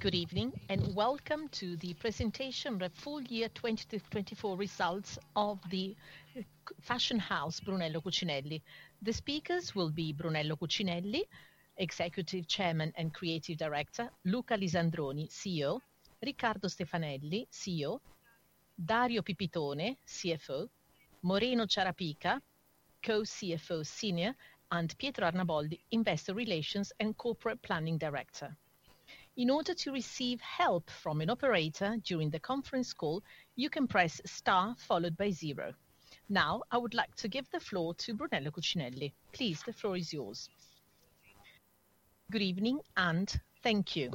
Good evening and welcome to the presentation of the Full Year 2024 Results of the Fashion House, Brunello Cucinelli. The speakers will be Brunello Cucinelli, Executive Chairman and Creative Director; Luca Lisandroni, CEO; Riccardo Stefanelli, CEO; Dario Pipitone, CFO; Moreno Ciarapica, Co-CFO Senior; and Pietro Arnaboldi, Investor Relations and Corporate Planning Director. In order to receive help from an operator during the conference call, you can press star followed by zero. Now, I would like to give the floor to Brunello Cucinelli. Please, the floor is yours. Good evening and thank you.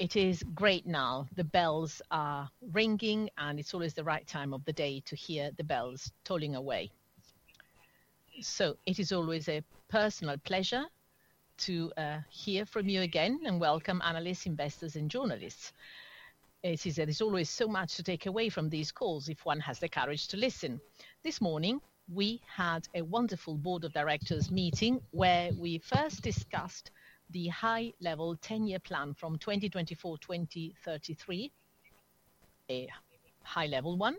It is great now, the bells are ringing and it's always the right time of the day to hear the bells tolling away. It is always a personal pleasure to hear from you again and welcome analysts, investors, and journalists. It is always so much to take away from these calls if one has the courage to listen. This morning we had a wonderful Board of Directors meeting where we first discussed the high-level 10-year plan from 2024-2033, high-level one,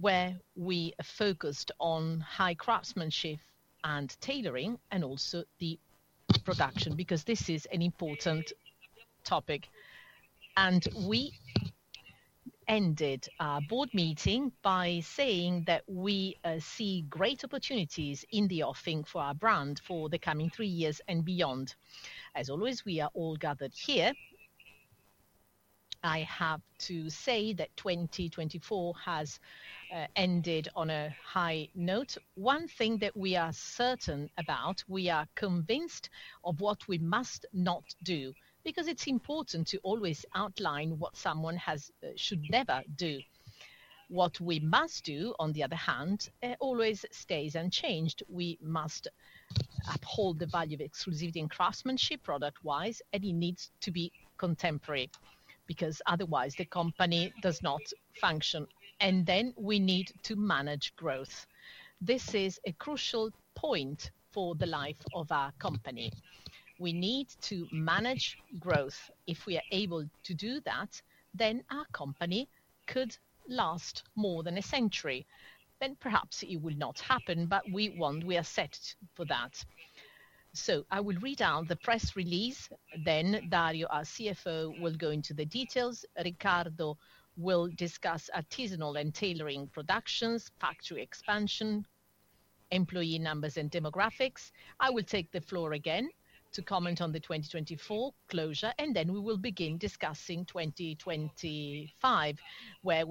where we focused on high craftsmanship and tailoring and also the production because this is an important topic. We ended our board meeting by saying that we see great opportunities in the offing for our brand for the coming three years and beyond. As always, we are all gathered here. I have to say that 2024 has ended on a high note. One thing that we are certain about, we are convinced of what we must not do because it's important to always outline what someone should never do. What we must do, on the other hand, always stays unchanged. We must uphold the value of exclusivity and craftsmanship product-wise, and it needs to be contemporary because otherwise the company does not function. We need to manage growth. This is a crucial point for the life of our company. We need to manage growth. If we are able to do that, then our company could last more than a century. Perhaps it will not happen, but we are set for that. I will read out the press release. Dario, our CFO, will go into the details. Riccardo will discuss artisanal and tailoring productions, factory expansion, employee numbers and demographics. I will take the floor again to comment on the 2024 closure, and we will begin discussing 2025, where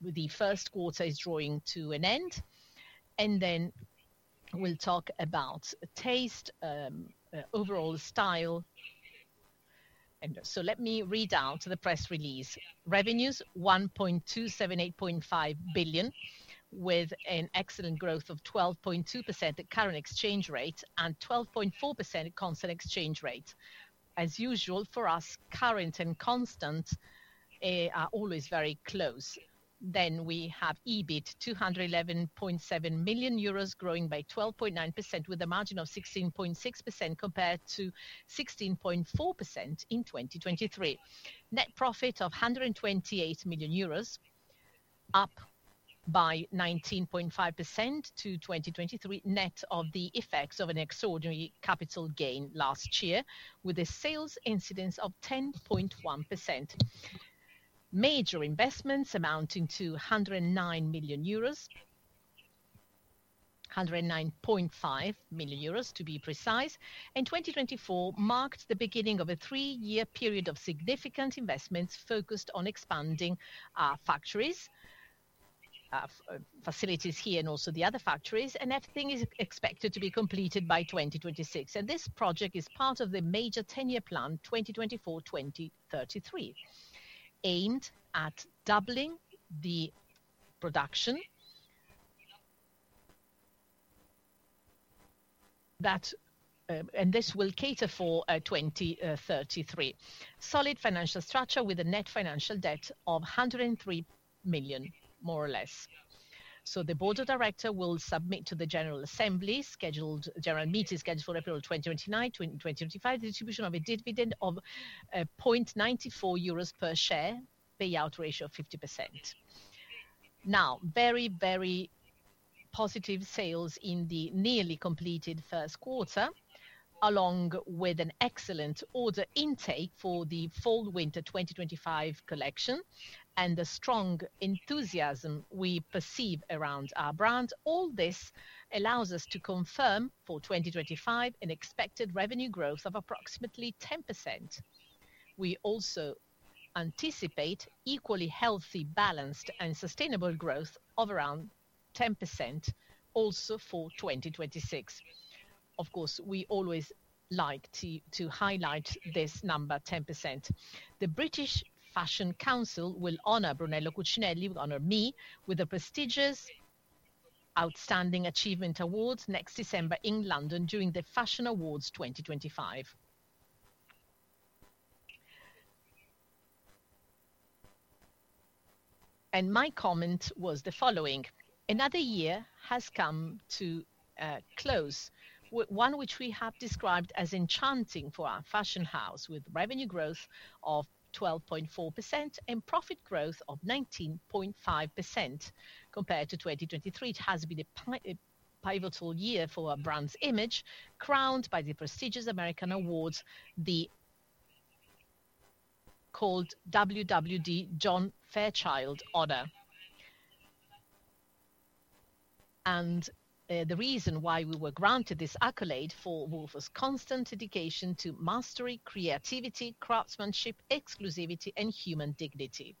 the first quarter is drawing to an end. We will talk about taste, overall style. Let me read out the press release. Revenues 1.2785 billion, with an excellent growth of 12.2% at current exchange rate and 12.4% at constant exchange rate. As usual for us, current and constant are always very close. We have EBIT 211.7 million euros, growing by 12.9% with a margin of 16.6% compared to 16.4% in 2023. Net profit of 128 million euros, up by 19.5% to 2023, net of the effects of an extraordinary capital gain last year, with a sales incidence of 10.1%. Major investments amounting to 109 million euros, 109.5 million euros to be precise. 2024 marked the beginning of a three-year period of significant investments focused on expanding our factories, facilities here, and also the other factories. Everything is expected to be completed by 2026. This project is part of the major 10-year plan 2024-2033, aimed at doubling the production that, and this will cater for 2033. Solid financial structure with a net financial debt of 103 million, more or less. The board of directors will submit to the general assembly scheduled for April 29, 2025, the distribution of a dividend of 0.94 euros per share, payout ratio of 50%. Now, very, very positive sales in the nearly completed first quarter, along with an excellent order intake for the fall/winter 2025 collection and the strong enthusiasm we perceive around our brand. All this allows us to confirm for 2025 an expected revenue growth of approximately 10%. We also anticipate equally healthy, balanced, and sustainable growth of around 10% also for 2026. Of course, we always like to highlight this number, 10%. The British Fashion Council will honor Brunello Cucinelli, honor me, with a prestigious outstanding achievement award next December in London during the Fashion Awards 2025. My comment was the following: another year has come to a close, one which we have described as enchanting for our fashion house, with revenue growth of 12.4% and profit growth of 19.5% compared to 2023. It has been a pivotal year for our brand's image, crowned by the prestigious American Awards, the so-called WWD John Fairchild Honor. The reason why we were granted this accolade was constant dedication to mastery, creativity, craftsmanship, exclusivity, and human dignity.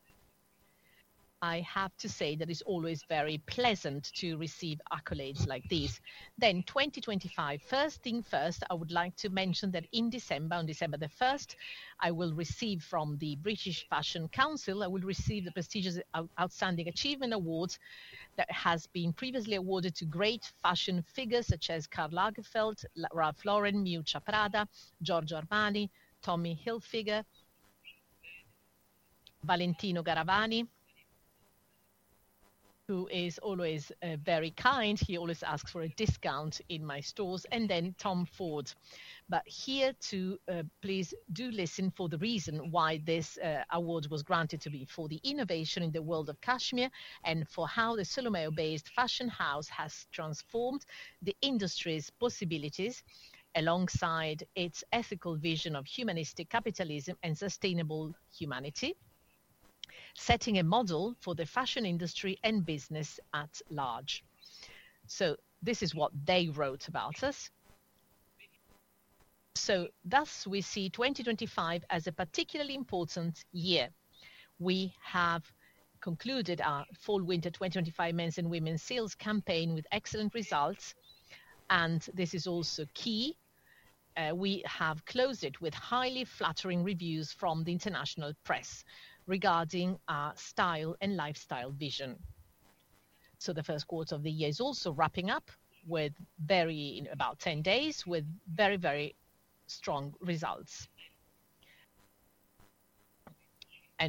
I have to say that it's always very pleasant to receive accolades like these. For 2025, first thing first, I would like to mention that in December, on December the 1st, I will receive from the British Fashion Council, I will receive the prestigious Outstanding Achievement Awards that have been previously awarded to great fashion figures such as Karl Lagerfeld, Ralph Lauren, Miuccia Prada, Giorgio Armani, Tommy Hilfiger, Valentino Garavani, who is always very kind. He always asks for a discount in my stores, and then Tom Ford. Please do listen for the reason why this award was granted to me: for the innovation in the world of cashmere and for how the Solomeo-based fashion house has transformed the industry's possibilities alongside its ethical vision of humanistic capitalism and sustainable humanity, setting a model for the fashion industry and business at large. This is what they wrote about us. Thus we see 2025 as a particularly important year. We have concluded our fall/winter 2025 men's and women's sales campaign with excellent results. This is also key. We have closed it with highly flattering reviews from the international press regarding our style and lifestyle vision. The first quarter of the year is also wrapping up in about 10 days with very, very strong results.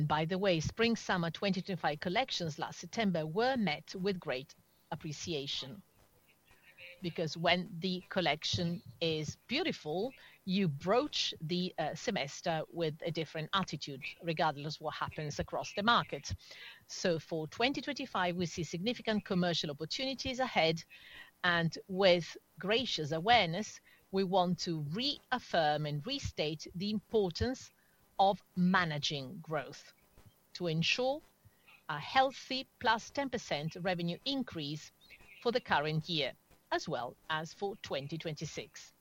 By the way, Spring/Summer 2025 collections last September were met with great appreciation because when the collection is beautiful, you broach the semester with a different attitude regardless of what happens across the market. For 2025, we see significant commercial opportunities ahead. With gracious awareness, we want to reaffirm and restate the importance of managing growth to ensure a healthy 10% revenue increase for the current year as well as for 2026.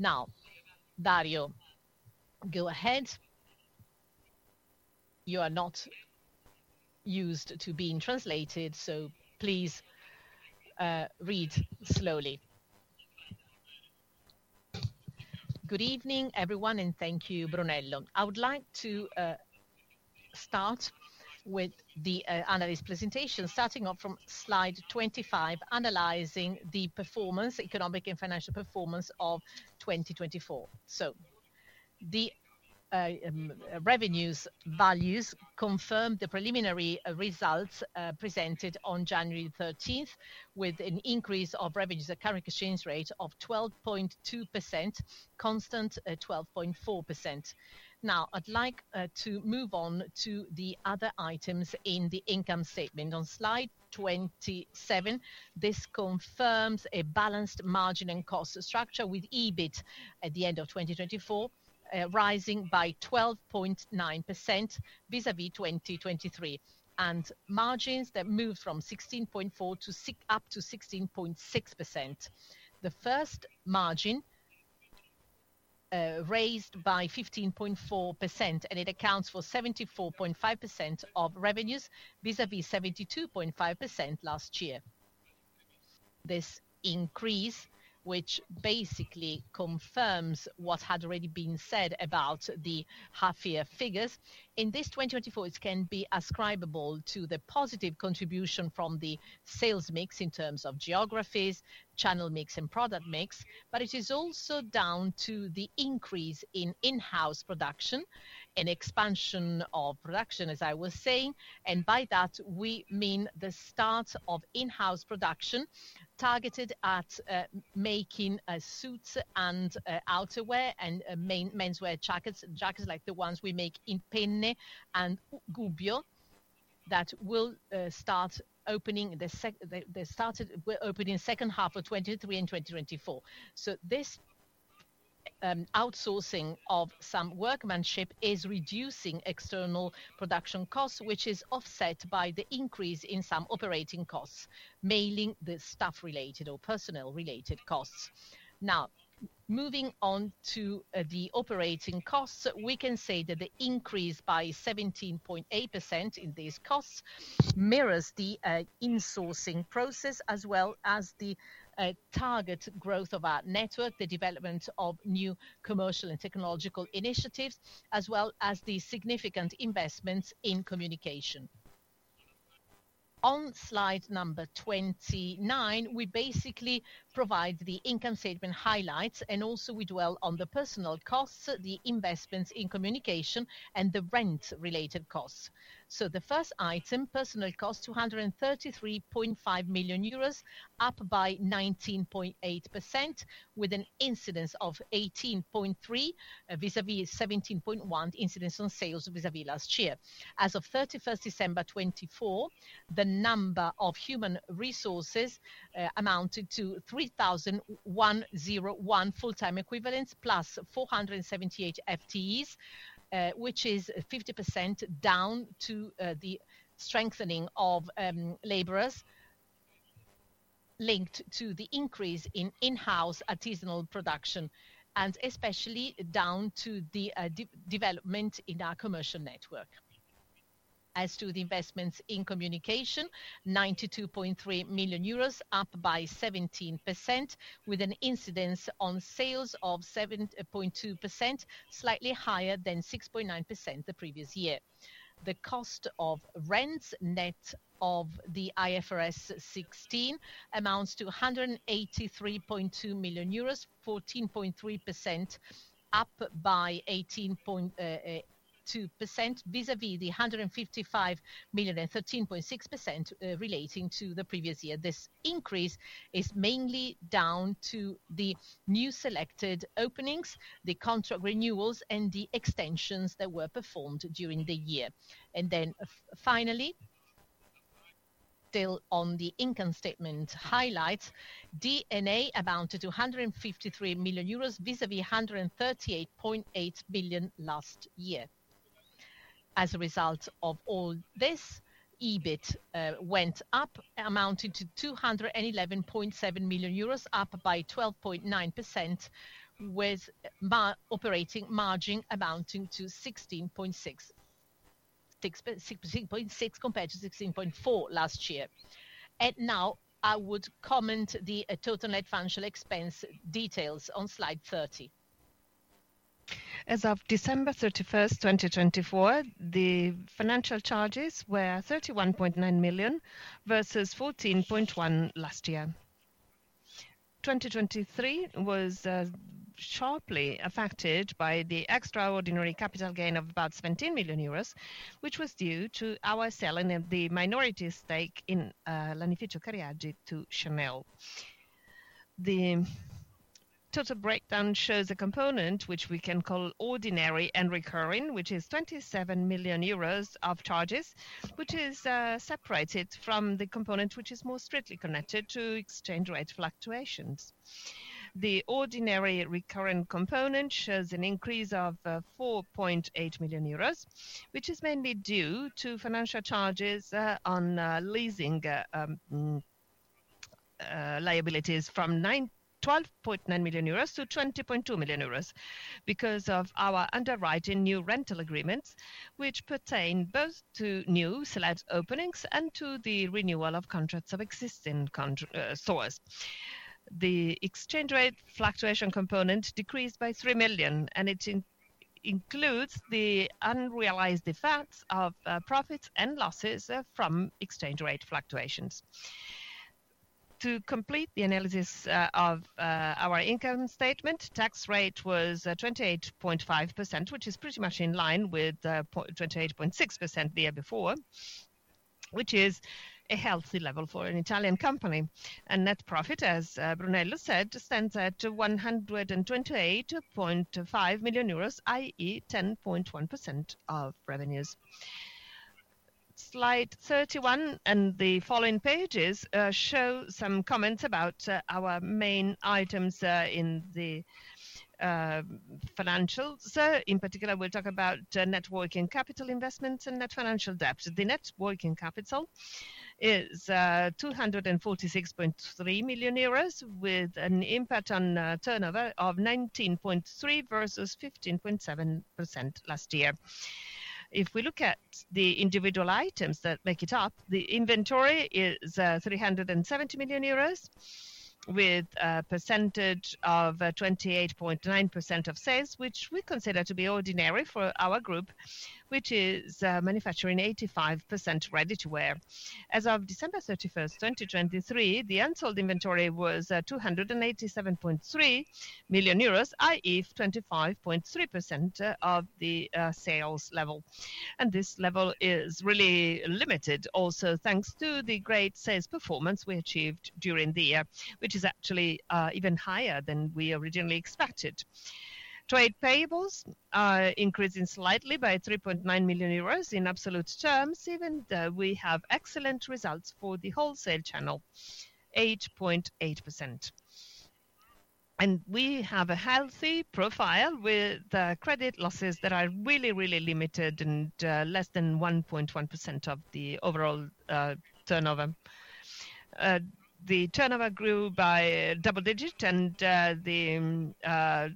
Now, Dario, go ahead. You are not used to being translated, so please read slowly. Good evening, everyone, and thank you, Brunello. I would like to start with the analyst presentation, starting off from slide 25, analyzing the performance, economic and financial performance of 2024. The revenues values confirm the preliminary results presented on January 13th, with an increase of revenues, a current exchange rate of 12.2%, constant 12.4%. Now, I'd like to move on to the other items in the income statement. On slide 27, this confirms a balanced margin and cost structure with EBIT at the end of 2024, rising by 12.9% vis-à-vis 2023, and margins that moved from 16.4% up to 16.6%. The first margin raised by 15.4%, and it accounts for 74.5% of revenues vis-à-vis 72.5% last year. This increase, which basically confirms what had already been said about the half-year figures, in this 2024, it can be ascribable to the positive contribution from the sales mix in terms of geographies, channel mix, and product mix. It is also down to the increase in in-house production and expansion of production, as I was saying. By that, we mean the start of in-house production targeted at making suits and outerwear and menswear jackets, jackets like the ones we make in Penne and Gubbio that will start opening the second, they started opening second half of 2023 and 2024. This outsourcing of some workmanship is reducing external production costs, which is offset by the increase in some operating costs, mainly the staff-related or personnel-related costs. Now, moving on to the operating costs, we can say that the increase by 17.8% in these costs mirrors the insourcing process as well as the target growth of our network, the development of new commercial and technological initiatives, as well as the significant investments in communication. On slide number 29, we basically provide the income statement highlights, and also we dwell on the personnel costs, the investments in communication, and the rent-related costs. The first item, personnel costs, 233.5 million euros, up by 19.8% with an incidence of 18.3% vis-à-vis 17.1% incidence on sales vis-à-vis last year. As of 31st December 2024, the number of human resources amounted to 3,101 full-time equivalents plus 478 FTEs, which is 50% down to the strengthening of laborers linked to the increase in in-house artisanal production and especially down to the development in our commercial network. As to the investments in communication, 92.3 million euros, up by 17% with an incidence on sales of 7.2%, slightly higher than 6.9% the previous year. The cost of rents net of the IFRS 16 amounts to 183.2 million euros, 14.3%, up by 18.2% vis-à-vis the 155 million and 13.6% relating to the previous year. This increase is mainly down to the new selected openings, the contract renewals, and the extensions that were performed during the year. Finally, still on the income statement highlights, D&A amounted to 153 million euros vis-à-vis 138.8 million last year. As a result of all this, EBIT went up, amounting to 211.7 million euros, up by 12.9% with operating margin amounting to 16.6% compared to 16.4% last year. I would now comment the total net financial expense details on slide 30. As of December 31st 2024, the financial charges were 31.9 million versus 14.1 million last year. 2023 was sharply affected by the extraordinary capital gain of about 17 million euros, which was due to our selling of the minority stake in Lannificio Carriaggi to Chanel. The total breakdown shows a component which we can call ordinary and recurring, which is 27 million euros of charges, which is separated from the component which is more strictly connected to exchange rate fluctuations. The ordinary recurring component shows an increase of 4.8 million euros, which is mainly due to financial charges on leasing liabilities from 12.9 million-20.2 million euros because of our underwriting new rental agreements, which pertain both to new openings and to the renewal of contracts of existing source. The exchange rate fluctuation component decreased by 3 million, and it includes the unrealized effects of profits and losses from exchange rate fluctuations. To complete the analysis of our income statement, tax rate was 28.5%, which is pretty much in line with 28.6% the year before, which is a healthy level for an Italian company. Net profit, as Brunello said, stands at 128.5 million euros, i.e., 10.1% of revenues. Slide 31 and the following pages show some comments about our main items in the financials. In particular, we'll talk about networking capital investments and net financial debt. The networking capital is 246.3 million euros, with an impact on turnover of 19.3% versus 15.7% last year. If we look at the individual items that make it up, the inventory is 370 million euros, with a percentage of 28.9% of sales, which we consider to be ordinary for our group, which is manufacturing 85% ready-to-wear. As of December 3st 2023, the unsold inventory was 287.3 million euros, i.e., 25.3% of the sales level. This level is really limited also thanks to the great sales performance we achieved during the year, which is actually even higher than we originally expected. Trade payables are increasing slightly by 3.9 million euros in absolute terms, even though we have excellent results for the wholesale channel, 8.8%. We have a healthy profile with credit losses that are really, really limited and less than 1.1% of the overall turnover. The turnover grew by double digit, and the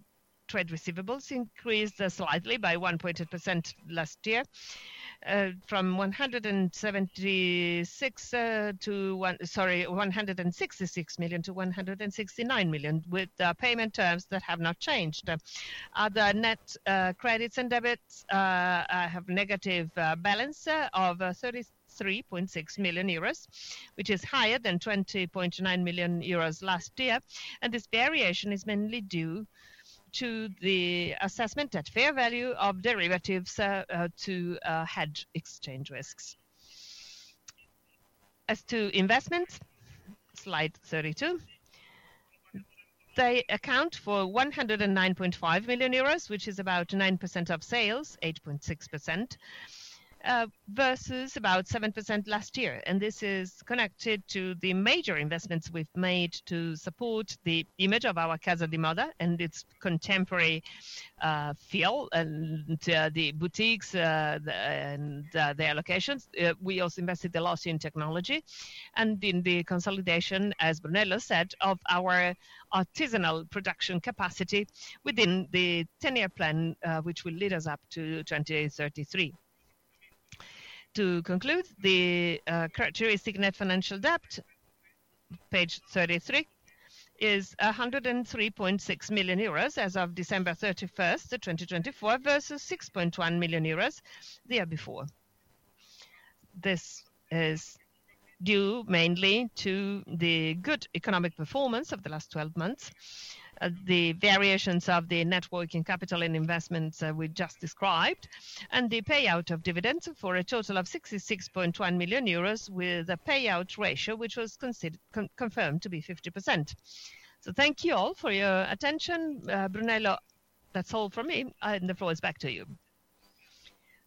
trade receivables increased slightly by 1.8% last year from 166 million to 169 million, with payment terms that have not changed. Other net credits and debits have a negative balance of 33.6 million euros, which is higher than 20.9 million euros last year. This variation is mainly due to the assessment at fair value of derivatives to hedge exchange risks. As to investments, slide 32, they account for 109.5 million euros, which is about 9% of sales, 8.6%, versus about 7% last year. This is connected to the major investments we've made to support the image of our Casa di Moda and its contemporary feel and the boutiques and their locations. We also invested a lot in technology and in the consolidation, as Brunello said, of our artisanal production capacity within the 10-year plan, which will lead us up to 2033. To conclude, the characteristic net financial debt, page 33, is 103.6 million euros as of December 31st 2024, versus 6.1 million euros the year before. This is due mainly to the good economic performance of the last 12 months, the variations of the working capital and investments we just described, and the payout of dividends for a total of 66.1 million euros with a payout ratio which was confirmed to be 50%. Thank you all for your attention. Brunello, that's all for me. The floor is back to you.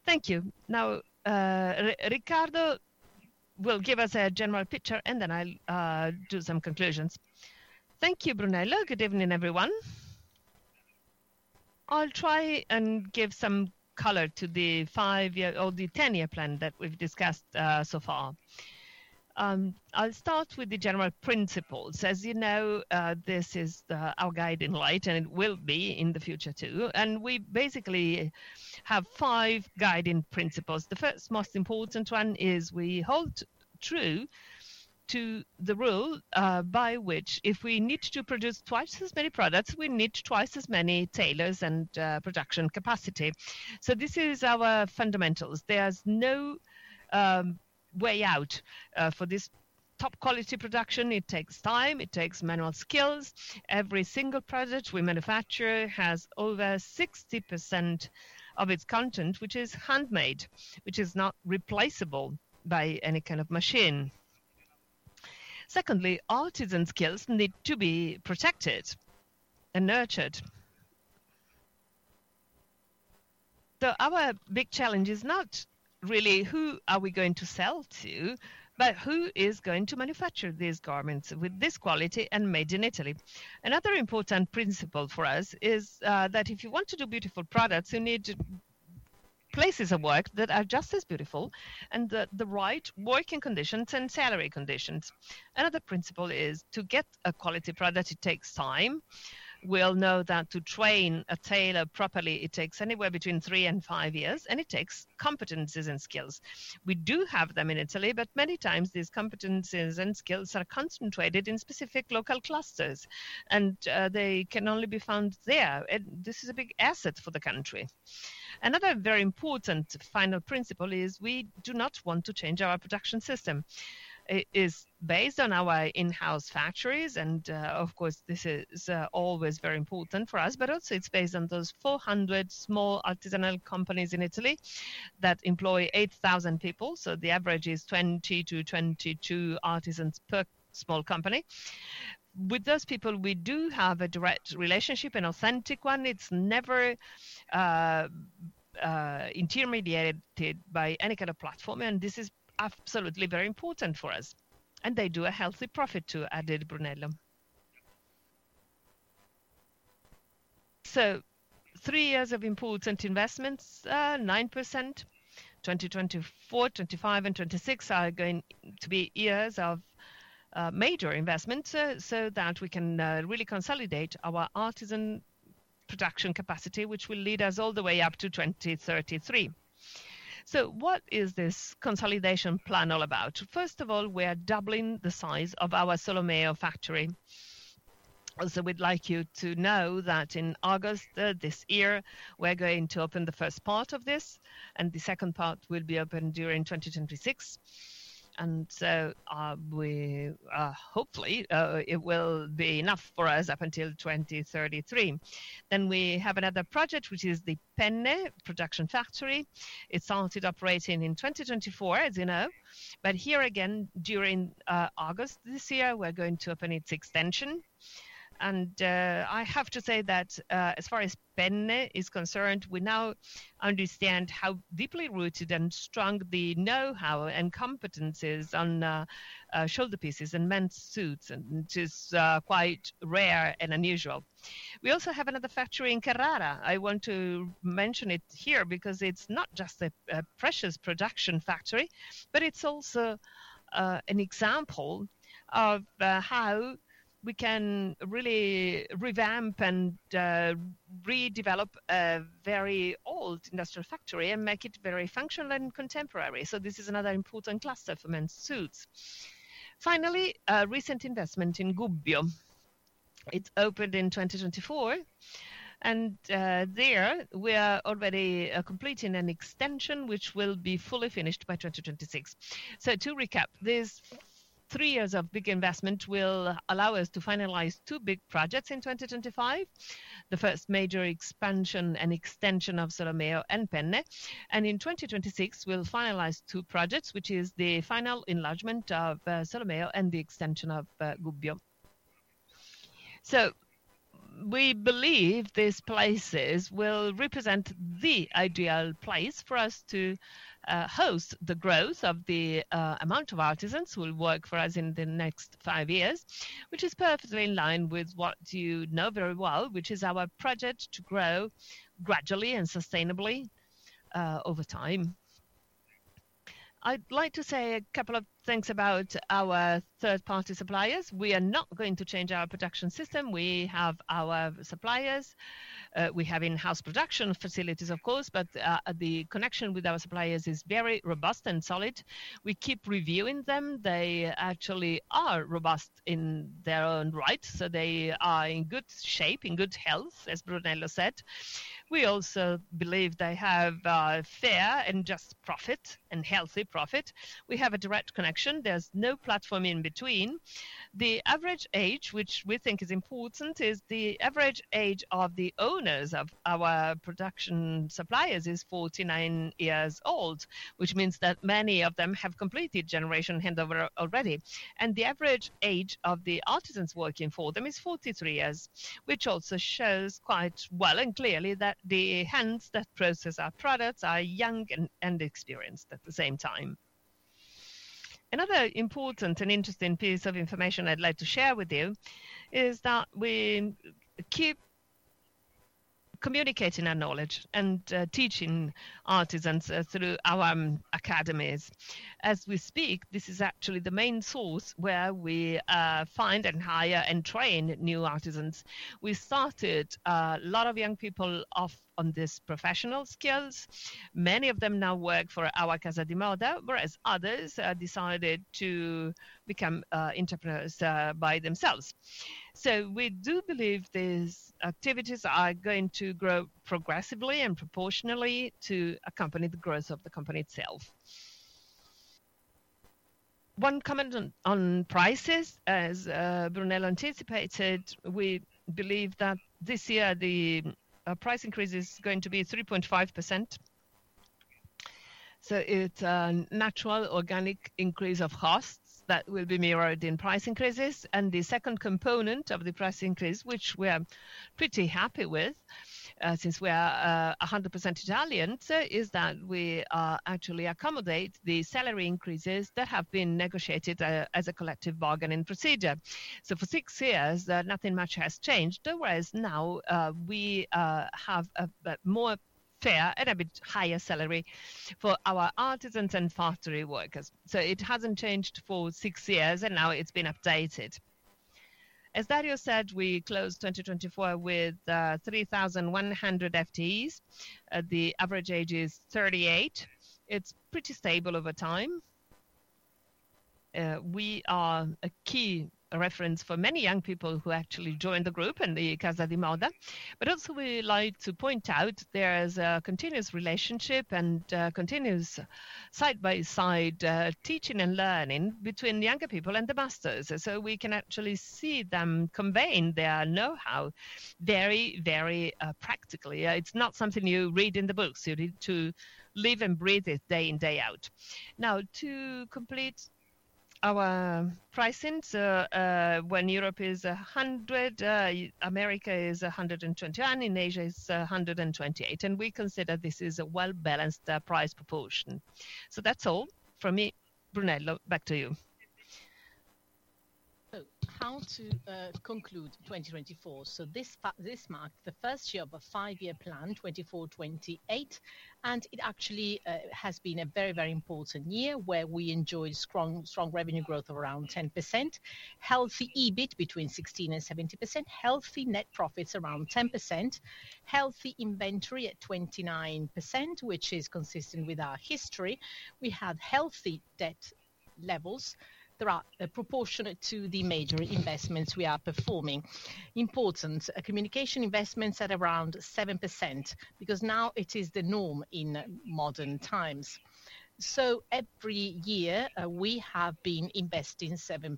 Thank you. Now, Riccardo will give us a general picture, and then I'll do some conclusions. Thank you, Brunello. Good evening, everyone. I'll try and give some color to the five-year or the 10-year plan that we've discussed so far. I'll start with the general principles. As you know, this is our guiding light, and it will be in the future too. We basically have five guiding principles. The first, most important one is we hold true to the rule by which if we need to produce twice as many products, we need twice as many tailors and production capacity. This is our fundamentals. There's no way out for this top-quality production. It takes time. It takes manual skills. Every single product we manufacture has over 60% of its content, which is handmade, which is not replaceable by any kind of machine. Secondly, artisan skills need to be protected and nurtured. Our big challenge is not really who are we going to sell to, but who is going to manufacture these garments with this quality and made in Italy. Another important principle for us is that if you want to do beautiful products, you need places of work that are just as beautiful and the right working conditions and salary conditions. Another principle is to get a quality product, it takes time. We all know that to train a tailor properly, it takes anywhere between three and five years, and it takes competencies and skills. We do have them in Italy, but many times these competencies and skills are concentrated in specific local clusters, and they can only be found there. This is a big asset for the country. Another very important final principle is we do not want to change our production system. It is based on our in-house factories, and of course, this is always very important for us, but also it's based on those 400 small artisanal companies in Italy that employ 8,000 people. The average is 20-22 artisans per small company. With those people, we do have a direct relationship, an authentic one. It's never intermediated by any kind of platform, and this is absolutely very important for us. They do a healthy profit too, added Brunello. Three years of important investments, 9%, 2024, 2025, and 2026 are going to be years of major investments so that we can really consolidate our artisan production capacity, which will lead us all the way up to 2033. What is this consolidation plan all about? First of all, we are doubling the size of our Solomeo factory. We'd like you to know that in August this year, we're going to open the first part of this, and the second part will be open during 2026. Hopefully, it will be enough for us up until 2033. We have another project, which is the Penne production factory. It started operating in 2024, as you know. Here again, during August this year, we're going to open its extension. I have to say that as far as Penne is concerned, we now understand how deeply rooted and strong the know-how and competencies on shoulder pieces and men's suits, and it is quite rare and unusual. We also have another factory in Carrara. I want to mention it here because it's not just a precious production factory, but it's also an example of how we can really revamp and redevelop a very old industrial factory and make it very functional and contemporary. This is another important cluster for men's suits. Finally, a recent investment in Gubbio. It opened in 2024, and there we are already completing an extension which will be fully finished by 2026. To recap, these three years of big investment will allow us to finalize two big projects in 2025, the first major expansion and extension of Solomeo and Penne, and in 2026, we'll finalize two projects, which is the final enlargement of Solomeo and the extension of Gubbio. We believe these places will represent the ideal place for us to host the growth of the amount of artisans who will work for us in the next five years, which is perfectly in line with what you know very well, which is our project to grow gradually and sustainably over time. I'd like to say a couple of things about our third-party suppliers. We are not going to change our production system. We have our suppliers. We have in-house production facilities, of course, but the connection with our suppliers is very robust and solid. We keep reviewing them. They actually are robust in their own right. They are in good shape, in good health, as Brunello said. We also believe they have fair and just profit and healthy profit. We have a direct connection. There is no platform in between. The average age, which we think is important, is the average age of the owners of our production suppliers is 49 years old, which means that many of them have completed generation handover already. The average age of the artisans working for them is 43 years, which also shows quite well and clearly that the hands that process our products are young and experienced at the same time. Another important and interesting piece of information I'd like to share with you is that we keep communicating our knowledge and teaching artisans through our academies. As we speak, this is actually the main source where we find and hire and train new artisans. We started a lot of young people off on these professional skills. Many of them now work for our Casa di Moda, whereas others decided to become entrepreneurs by themselves. We do believe these activities are going to grow progressively and proportionally to accompany the growth of the company itself. One comment on prices, as Brunello anticipated, we believe that this year the price increase is going to be 3.5%. It is a natural organic increase of costs that will be mirrored in price increases. The second component of the price increase, which we are pretty happy with since we are 100% Italians, is that we actually accommodate the salary increases that have been negotiated as a collective bargaining procedure. For six years, nothing much has changed, whereas now we have a more fair and a bit higher salary for our artisans and factory workers. It has not changed for six years, and now it has been updated. As Dario said, we closed 2024 with 3,100 FTEs. The average age is 38. It is pretty stable over time. We are a key reference for many young people who actually joined the group and the Casa di Moda. Also, we like to point out there is a continuous relationship and continuous side-by-side teaching and learning between the younger people and the masters. We can actually see them conveying their know-how very, very practically. It's not something you read in the books. You need to live and breathe it day in, day out. Now, to complete our pricing, when Europe is 100, America is 121, and Asia is 128. We consider this is a well-balanced price proportion. That's all from me. Brunello, back to you. How to conclude 2024? This marks the first year of a five-year plan, 2024-2028. It actually has been a very, very important year where we enjoyed strong revenue growth of around 10%, healthy EBIT between 16% and 17%, healthy net profits around 10%, healthy inventory at 29%, which is consistent with our history. We have healthy debt levels that are proportionate to the major investments we are performing. Important communication investments at around 7% because now it is the norm in modern times. Every year, we have been investing 7%,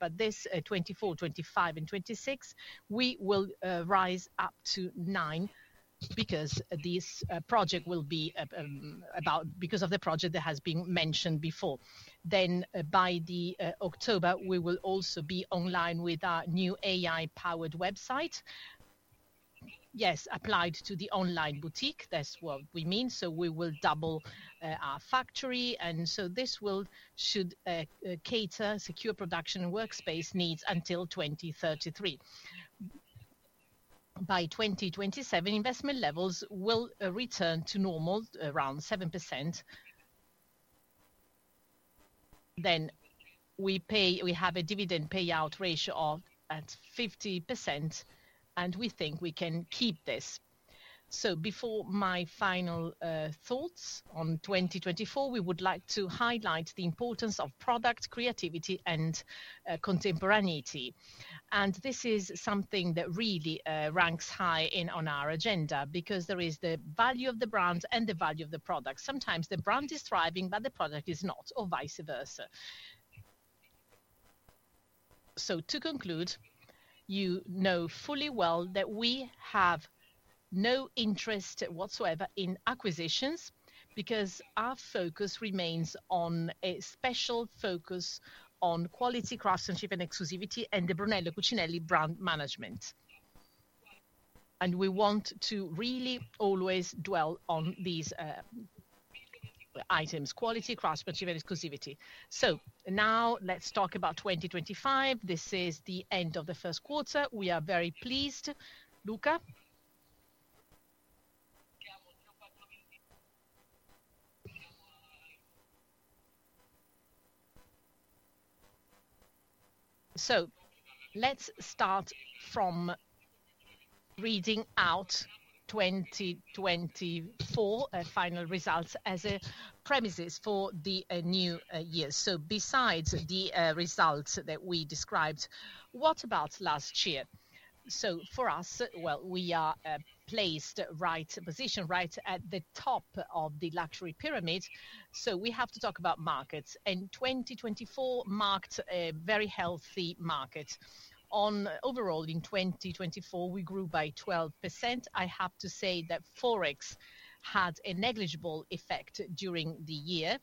but in 2024, 2025, and 2026, we will rise up to 9% because of the project that has been mentioned before. By October, we will also be online with our new AI-powered website. Yes, applied to the online boutique, that is what we mean. We will double our factory, and this should cater to secure production workspace needs until 2033. By 2027, investment levels will return to normal, around 7%. We have a dividend payout ratio at 50%, and we think we can keep this. Before my final thoughts on 2024, we would like to highlight the importance of product creativity and contemporaneity. This is something that really ranks high on our agenda because there is the value of the brand and the value of the product. Sometimes the brand is thriving, but the product is not, or vice versa. To conclude, you know fully well that we have no interest whatsoever in acquisitions because our focus remains on a special focus on quality, craftsmanship, and exclusivity, and the Brunello Cucinelli brand management. We want to really always dwell on these items: quality, craftsmanship, and exclusivity. Now let's talk about 2025. This is the end of the first quarter. We are very pleased. Luca. Let's start from reading out 2024 final results as a premise for the new year. Besides the results that we described, what about last year? For us, we are placed right position, right at the top of the luxury pyramid. We have to talk about markets. 2024 marked a very healthy market. Overall, in 2024, we grew by 12%. I have to say that Forex had a negligible effect during the year,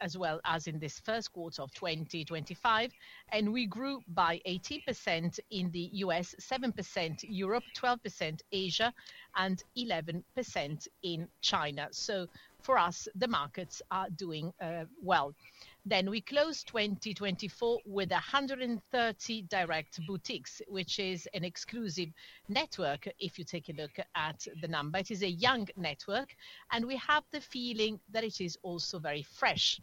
as well as in this first quarter of 2025. We grew by 18% in the U.S., 7% Europe, 12% Asia, and 11% in China. For us, the markets are doing well. We closed 2024 with 130 direct boutiques, which is an exclusive network. If you take a look at the number, it is a young network, and we have the feeling that it is also very fresh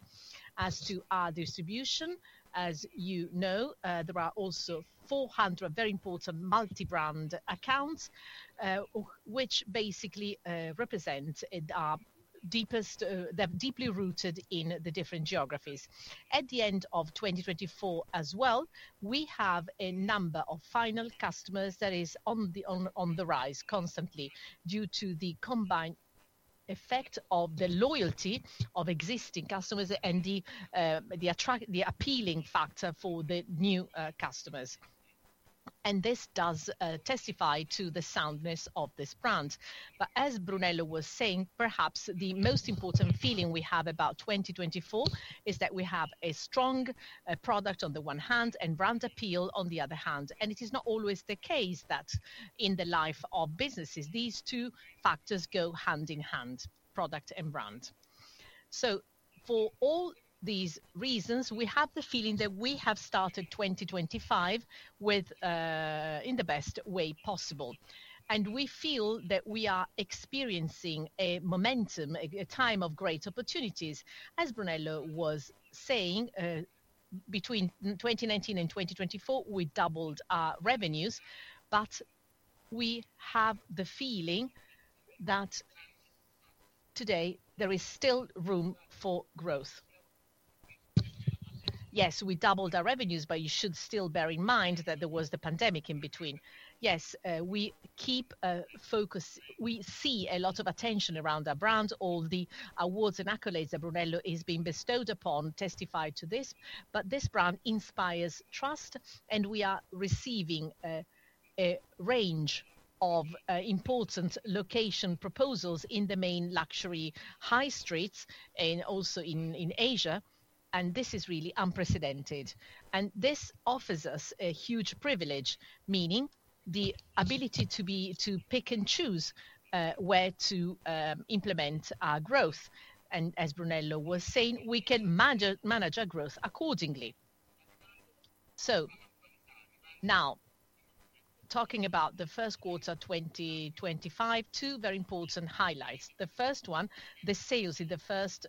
as to our distribution. As you know, there are also 400 very important multi-brand accounts, which basically represent our deepest that are deeply rooted in the different geographies. At the end of 2024 as well, we have a number of final customers that is on the rise constantly due to the combined effect of the loyalty of existing customers and the appealing factor for the new customers. This does testify to the soundness of this brand. As Brunello was saying, perhaps the most important feeling we have about 2024 is that we have a strong product on the one hand and brand appeal on the other hand. It is not always the case that in the life of businesses, these two factors go hand in hand, product and brand. For all these reasons, we have the feeling that we have started 2025 in the best way possible. We feel that we are experiencing a momentum, a time of great opportunities. As Brunello was saying, between 2019 and 2024, we doubled our revenues, but we have the feeling that today there is still room for growth. Yes, we doubled our revenues, but you should still bear in mind that there was the pandemic in between. We keep a focus. We see a lot of attention around our brand. All the awards and accolades that Brunello has been bestowed upon testify to this. This brand inspires trust, and we are receiving a range of important location proposals in the main luxury high streets and also in Asia. This is really unprecedented. This offers us a huge privilege, meaning the ability to pick and choose where to implement our growth. As Brunello was saying, we can manage our growth accordingly. Now, talking about the first quarter 2025, two very important highlights. The first one, the sales in the first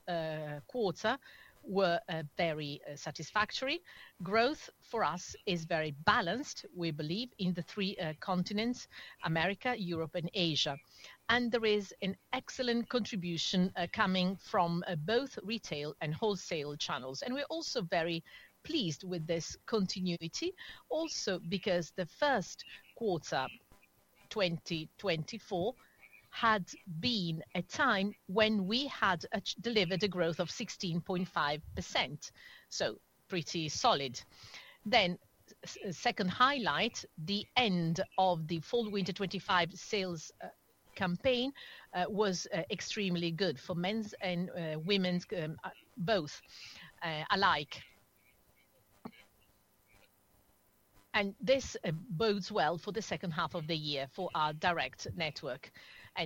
quarter were very satisfactory. Growth for us is very balanced, we believe, in the three continents: America, Europe, and Asia. There is an excellent contribution coming from both retail and wholesale channels. We are also very pleased with this continuity, also because the first quarter 2024 had been a time when we had delivered a growth of 16.5%. Pretty solid. The second highlight, the end of the Fall/Winter 2025 sales campaign was extremely good for men's and women's both alike. This bodes well for the second half of the year for our direct network.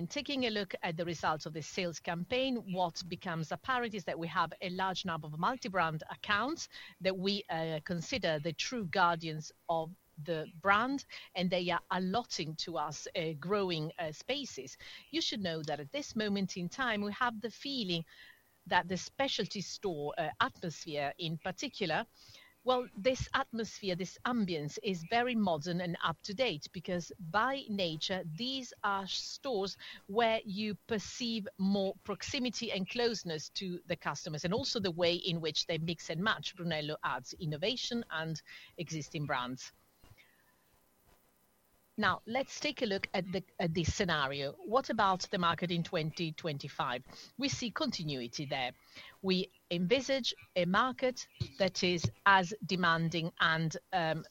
Taking a look at the results of the sales campaign, what becomes apparent is that we have a large number of multi-brand accounts that we consider the true guardians of the brand, and they are allotting to us growing spaces. You should know that at this moment in time, we have the feeling that the specialty store atmosphere in particular, this atmosphere, this ambiance is very modern and up to date because by nature, these are stores where you perceive more proximity and closeness to the customers and also the way in which they mix and match Brunello Cucinelli's innovation and existing brands. Now, let's take a look at this scenario. What about the market in 2025? We see continuity there. We envisage a market that is as demanding and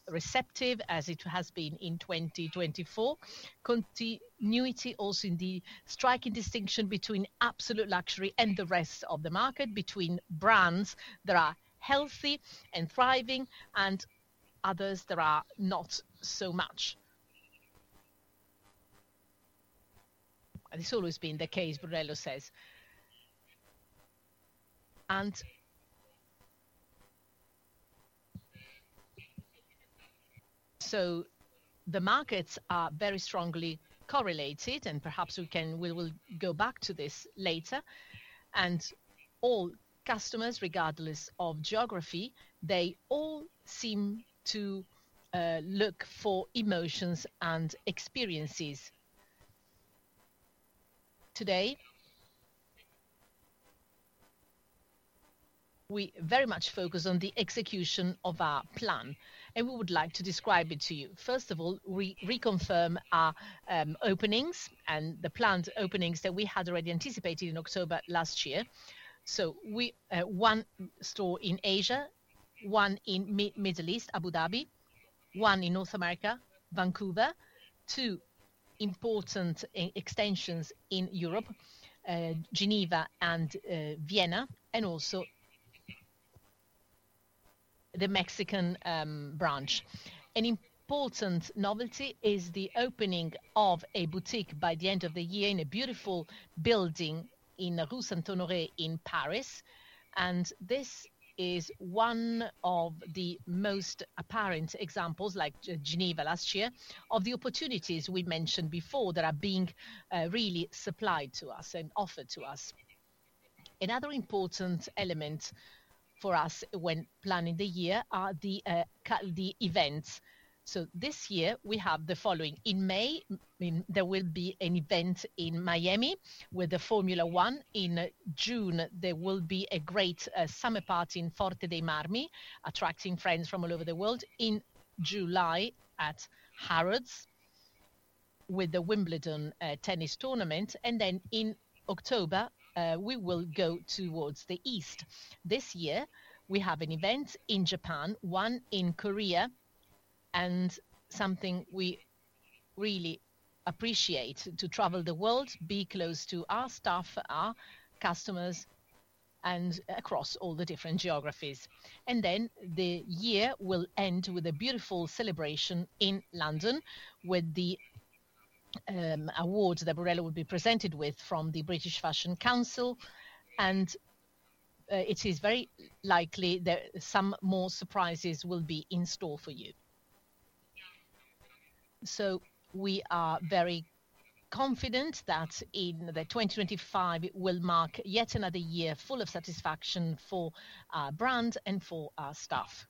receptive as it has been in 2024. Continuity also in the striking distinction between absolute luxury and the rest of the market, between brands that are healthy and thriving and others that are not so much. It has always been the case, Brunello says. The markets are very strongly correlated, and perhaps we will go back to this later. All customers, regardless of geography, they all seem to look for emotions and experiences. Today, we very much focus on the execution of our plan, and we would like to describe it to you. First of all, we reconfirm our openings and the planned openings that we had already anticipated in October last year. One store in Asia, one in the Middle East, Abu Dhabi, one in North America, Vancouver, two important extensions in Europe, Geneva and Vienna, and also the Mexican branch. An important novelty is the opening of a boutique by the end of the year in a beautiful building in Rue Saint-Honoré in Paris. This is one of the most apparent examples, like Geneva last year, of the opportunities we mentioned before that are being really supplied to us and offered to us. Another important element for us when planning the year are the events. This year, we have the following. In May, there will be an event in Miami with the Formula One. In June, there will be a great summer party in Forte dei Marmi, attracting friends from all over the world. In July, at Harrods, with the Wimbledon tennis tournament. In October, we will go towards the east. This year, we have an event in Japan, one in Korea, and something we really appreciate to travel the world, be close to our staff, our customers, and across all the different geographies. The year will end with a beautiful celebration in London with the awards that Brunello will be presented with from the British Fashion Council. It is very likely that some more surprises will be in store for you. We are very confident that in 2025, it will mark yet another year full of satisfaction for our brand and for our staff.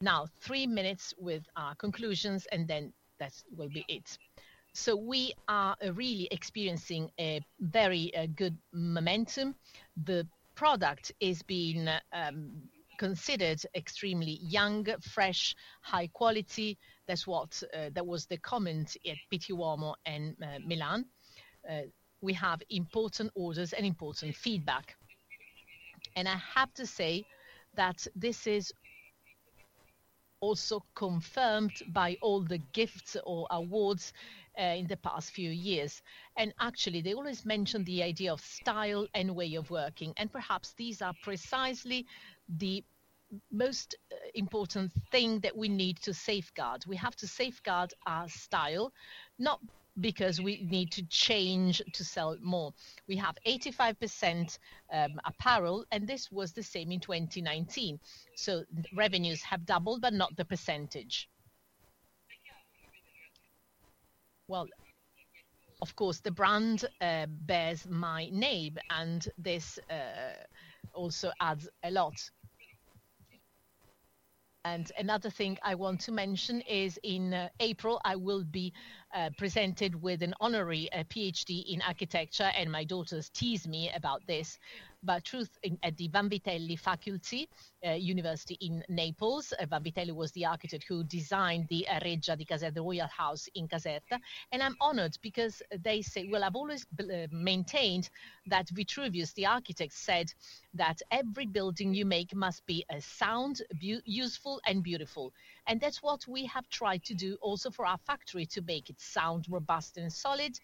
Now, three minutes with our conclusions, and then that will be it. We are really experiencing a very good momentum. The product is being considered extremely young, fresh, high quality. That was the comment at Pitti Uomo and Milan. We have important orders and important feedback. I have to say that this is also confirmed by all the gifts or awards in the past few years. Actually, they always mention the idea of style and way of working. Perhaps these are precisely the most important things that we need to safeguard. We have to safeguard our style, not because we need to change to sell more. We have 85% apparel, and this was the same in 2019. Revenues have doubled, but not the percentage. Of course, the brand bears my name, and this also adds a lot. Another thing I want to mention is in April, I will be presented with an honorary PhD in architecture, and my daughters tease me about this. At the Vanvitelli Faculty University in Naples, Vanvitelli was the architect who designed the Reggia di Caserta, the Royal House in Caserta. I'm honored because they say, I've always maintained that Vitruvius, the architect, said that every building you make must be sound, useful, and beautiful. That's what we have tried to do also for our factory, to make it sound robust and solid,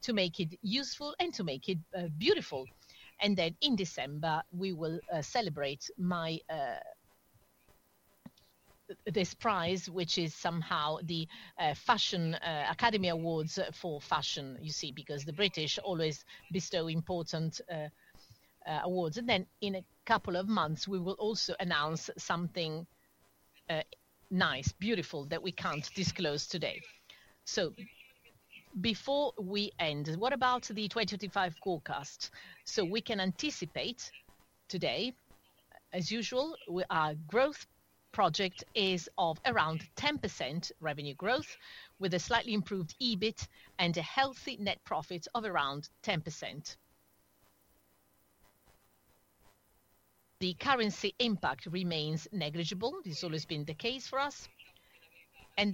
to make it useful, and to make it beautiful. In December, we will celebrate this prize, which is somehow the Fashion Academy Awards for fashion, you see, because the British always bestow important awards. In a couple of months, we will also announce something nice, beautiful that we can't disclose today. Before we end, what about the 2025 forecast? We can anticipate today, as usual, our growth project is of around 10% revenue growth with a slightly improved EBIT and a healthy net profit of around 10%. The currency impact remains negligible. This has always been the case for us. At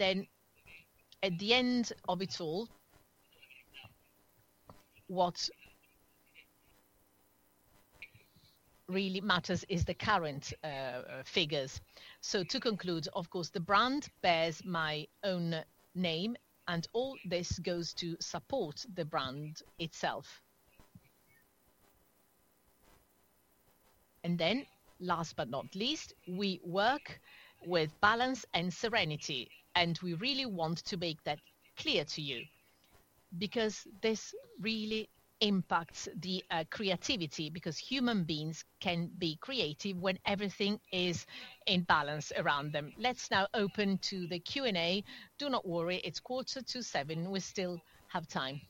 the end of it all, what really matters is the current figures. To conclude, of course, the brand bears my own name, and all this goes to support the brand itself. Last but not least, we work with balance and serenity, and we really want to make that clear to you because this really impacts the creativity, because human beings can be creative when everything is in balance around them. Let's now open to the Q&A. Do not worry, it's quarter to seven. We still have time.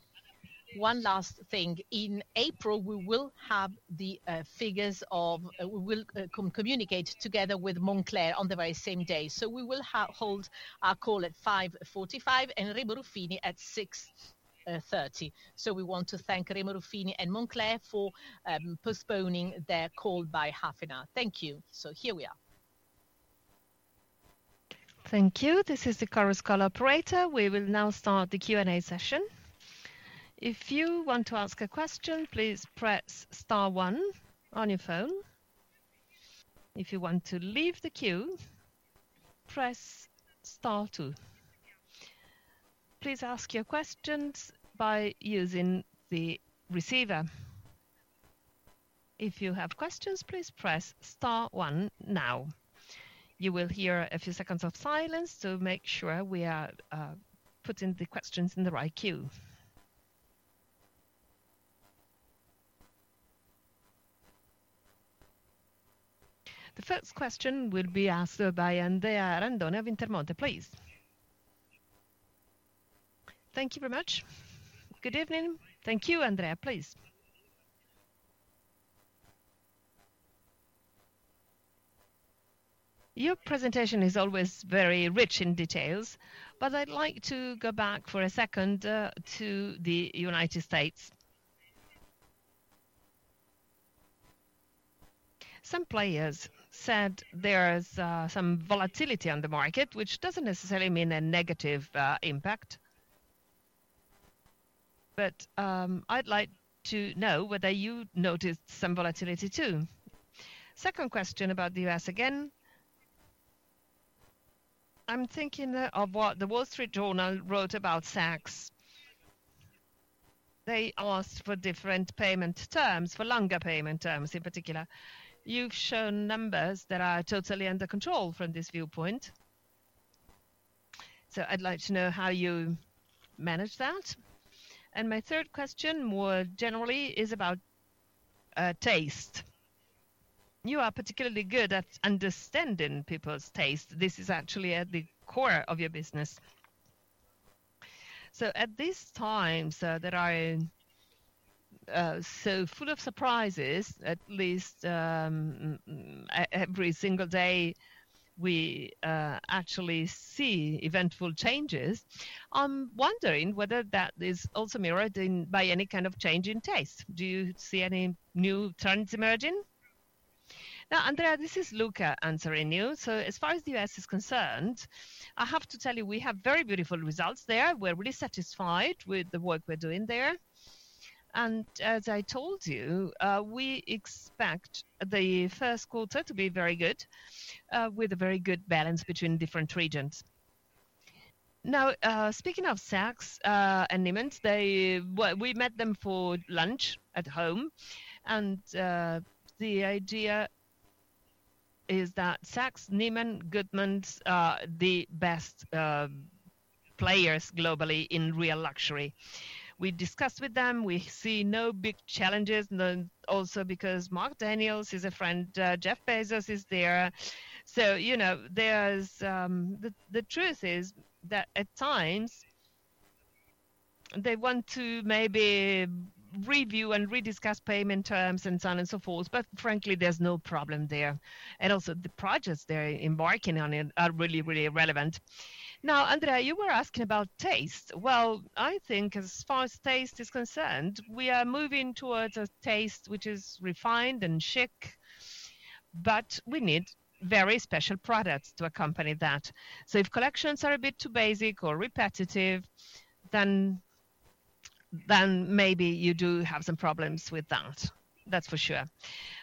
One last thing. In April, we will have the figures of we will communicate together with Moncler on the very same day. We will hold our call at 5:45 and Remo Ruffini at 6:30. We want to thank Remo Ruffini and Moncler for postponing their call by half an hour. Thank you. Here we are. Thank you. This is the Kyros Colour operator. We will now start the Q&A session. If you want to ask a question, please press star one on your phone. If you want to leave the queue, press star two. Please ask your questions by using the receiver. If you have questions, please press star one now. You will hear a few seconds of silence to make sure we are putting the questions in the right queue. The first question will be asked by Andrea Randone of Intermonte, please. Thank you very much. Good evening. Thank you, Andrea, please. Your presentation is always very rich in details, but I'd like to go back for a second to the United States. Some players said there is some volatility on the market, which does not necessarily mean a negative impact. I'd like to know whether you noticed some volatility too. Second question about the U.S. again. I'm thinking of what the Wall Street Journal wrote about Saks. They asked for different payment terms, for longer payment terms in particular. You've shown numbers that are totally under control from this viewpoint. I'd like to know how you manage that. My third question more generally is about taste. You are particularly good at understanding people's taste. This is actually at the core of your business. At this time, I am so full of surprises, at least every single day, we actually see eventful changes. I'm wondering whether that is also mirrored by any kind of change in taste. Do you see any new trends emerging? Now, Andrea, this is Luca answering you. As far as the U.S. is concerned, I have to tell you, we have very beautiful results there. We're really satisfied with the work we're doing there. As I told you, we expect the first quarter to be very good with a very good balance between different regions. Speaking of Saks and Neiman's, we met them for lunch at home. The idea is that Saks, Neiman's, Goodman's are the best players globally in real luxury. We discussed with them. We see no big challenges, also because Mark Daniels is a friend, Jeff Bezos is there. You know the truth is that at times, they want to maybe review and rediscuss payment terms and so on and so forth. Frankly, there is no problem there. Also, the projects they are embarking on are really, really relevant. Andrea, you were asking about taste. I think as far as taste is concerned, we are moving towards a taste which is refined and chic, but we need very special products to accompany that. If collections are a bit too basic or repetitive, then maybe you do have some problems with that. That is for sure.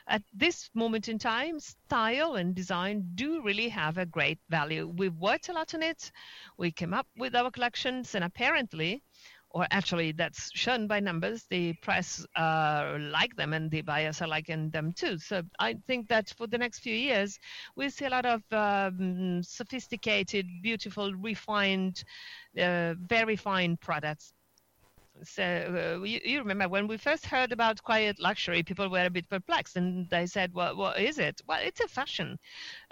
At this moment in time, style and design do really have a great value. We have worked a lot on it. We came up with our collections. Apparently, or actually, that is shown by numbers, the press likes them and the buyers are liking them too. I think that for the next few years, we'll see a lot of sophisticated, beautiful, refined, very fine products. You remember when we first heard about quiet luxury, people were a bit perplexed and they said, "What is it?" It's a fashion.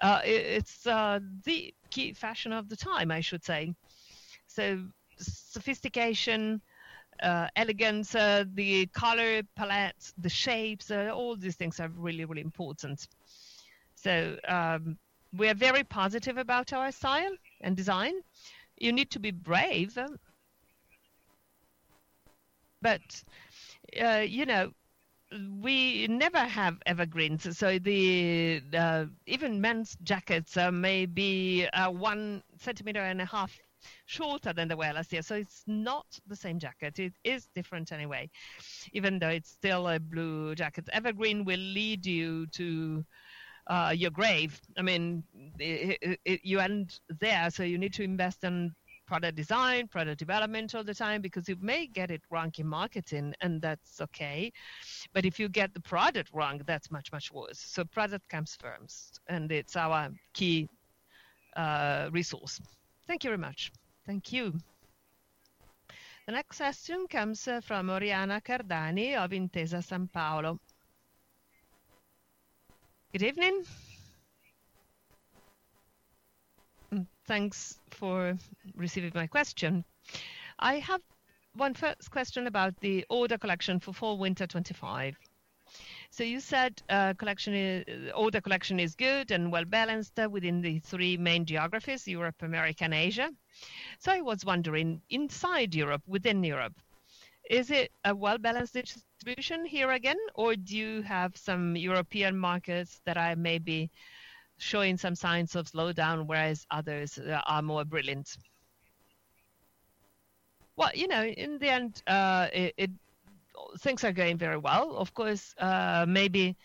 It's the key fashion of the time, I should say. Sophistication, elegance, the color palette, the shapes, all these things are really, really important. We are very positive about our style and design. You need to be brave. You know we never have evergreens. Even men's jackets may be one centimeter and a half shorter than the way last year. It's not the same jacket. It is different anyway, even though it's still a blue jacket. Evergreen will lead you to your grave. I mean, you end there. You need to invest in product design, product development all the time because you may get it wrong in marketing, and that's okay. If you get the product wrong, that's much, much worse. Product comes first, and it's our key resource. Thank you very much. Thank you. The next question comes from Oriana Cardani of Intesa Sanpaolo. Good evening. Thanks for receiving my question. I have one first question about the order collection for Fall Winter 2025. You said order collection is good and well-balanced within the three main geographies, Europe, America, and Asia. I was wondering inside Europe, within Europe, is it a well-balanced distribution here again, or do you have some European markets that are maybe showing some signs of slowdown, whereas others are more brilliant? You know in the end, things are going very well. Of course, maybe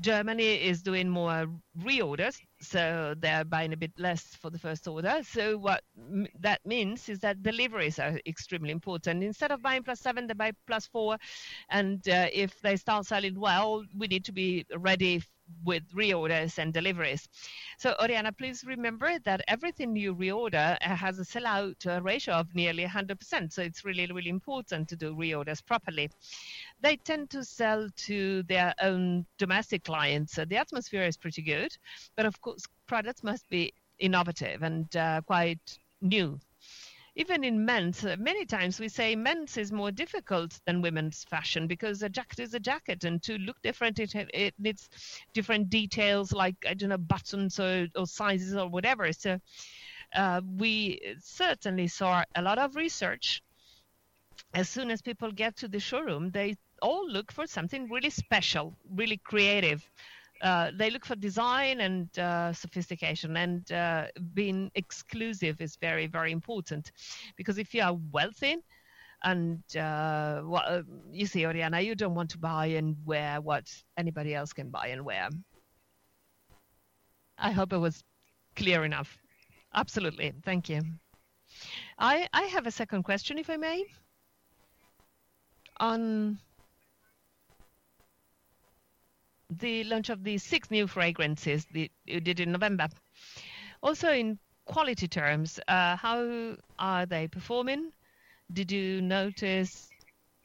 Germany is doing more reorders, so they're buying a bit less for the first order. What that means is that deliveries are extremely important. Instead of buying plus seven, they buy plus four. If they start selling well, we need to be ready with reorders and deliveries. Oriana, please remember that everything you reorder has a sell-out ratio of nearly 100%. It's really, really important to do reorders properly. They tend to sell to their own domestic clients. The atmosphere is pretty good, but of course, products must be innovative and quite new. Even in men's, many times we say men's is more difficult than women's fashion because a jacket is a jacket, and to look different, it needs different details, like, I don't know, buttons or sizes or whatever. We certainly saw a lot of research. As soon as people get to the showroom, they all look for something really special, really creative. They look for design and sophistication. Being exclusive is very, very important because if you are wealthy and you see, Oriana, you do not want to buy and wear what anybody else can buy and wear. I hope it was clear enough. Absolutely. Thank you. I have a second question, if I may, on the launch of the six new fragrances you did in November. Also, in quality terms, how are they performing? Did you notice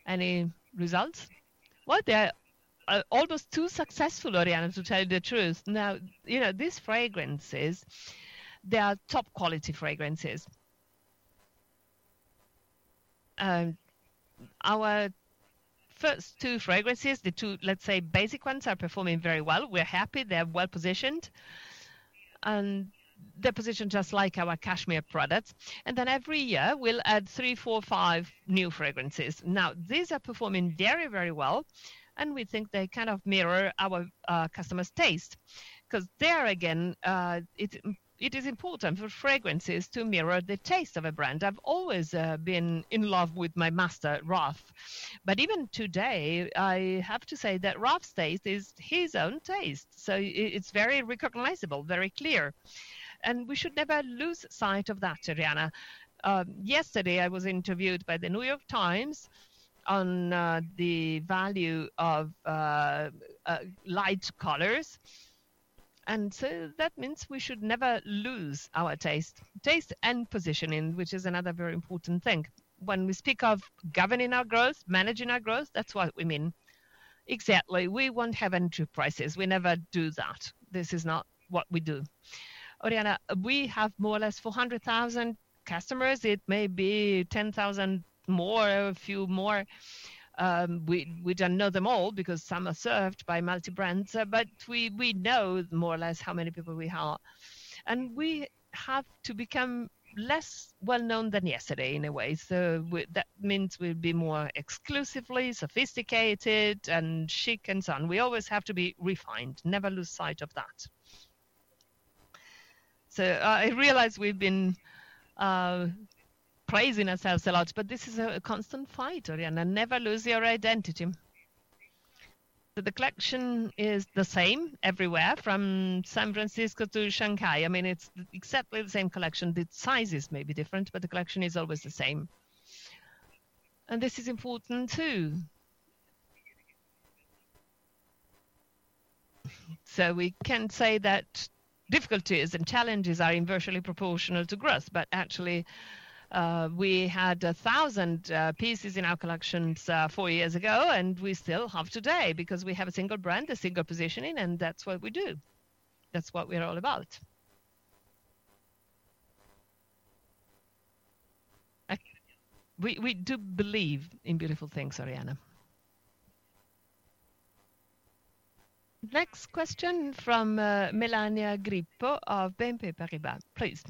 any results? They are almost too successful, Oriana, to tell you the truth. You know these fragrances, they are top-quality fragrances. Our first two fragrances, the two, let's say, basic ones are performing very well. We are happy they are well-positioned. They are positioned just like our cashmere products. Every year, we'll add three, four, five new fragrances. These are performing very, very well. We think they kind of mirror our customers' taste because there, again, it is important for fragrances to mirror the taste of a brand. I've always been in love with my master, Ralph. Even today, I have to say that Ralph's taste is his own taste. It is very recognizable, very clear. We should never lose sight of that, Oriana. Yesterday, I was interviewed by the New York Times on the value of light colors. That means we should never lose our taste, taste and positioning, which is another very important thing. When we speak of governing our growth, managing our growth, that's what we mean. Exactly. We won't have entry prices. We never do that. This is not what we do. Oriana, we have more or less 400,000 customers. It may be 10,000 more, a few more. We do not know them all because some are served by multi-brands. We know more or less how many people we are. We have to become less well-known than yesterday in a way. That means we will be more exclusively, sophisticated, and chic and so on. We always have to be refined. Never lose sight of that. I realize we have been praising ourselves a lot, but this is a constant fight, Oriana. Never lose your identity. The collection is the same everywhere from San Francisco to Shanghai. I mean, it is exactly the same collection. The size is maybe different, but the collection is always the same. This is important too. We can say that difficulties and challenges are inversely proportional to growth. Actually, we had 1,000 pieces in our collections four years ago, and we still have today because we have a single brand, a single positioning, and that's what we do. That's what we're all about. We do believe in beautiful things, Oriana. Next question from Melania Grippo of BNP Paribas, please.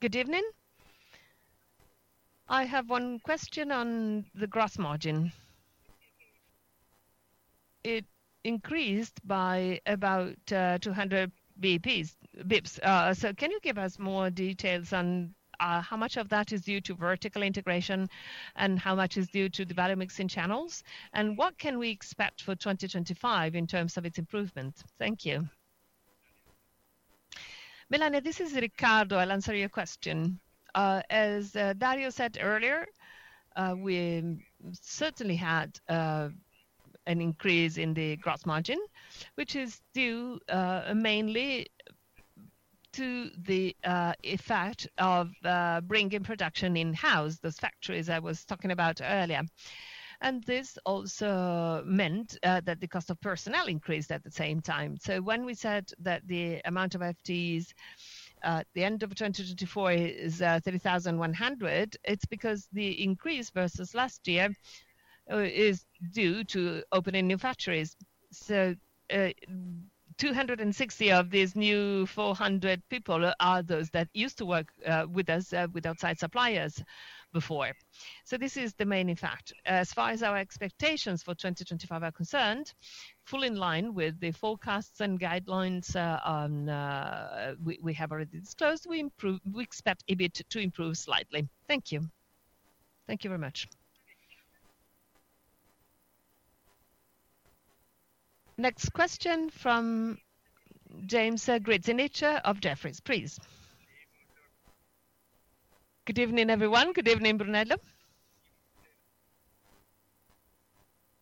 Good evening. I have one question on the gross margin. It increased by about 200 basis points. Can you give us more details on how much of that is due to vertical integration and how much is due to the value mixing channels? What can we expect for 2025 in terms of its improvement? Thank you. Melania, this is Riccardo. I'll answer your question. As Dario said earlier, we certainly had an increase in the gross margin, which is due mainly to the effect of bringing production in-house, those factories I was talking about earlier. This also meant that the cost of personnel increased at the same time. When we said that the amount of FTEs at the end of 2024 is 3,101, it is because the increase versus last year is due to opening new factories. 260 of these new 400 people are those that used to work with us, with outside suppliers before. This is the main effect. As far as our expectations for 2025 are concerned, fully in line with the forecasts and guidelines we have already disclosed, we expect EBIT to improve slightly. Thank you. Thank you very much. Next question from James Grzinic of Jefferies, please. Good evening, everyone. Good evening, Brunello.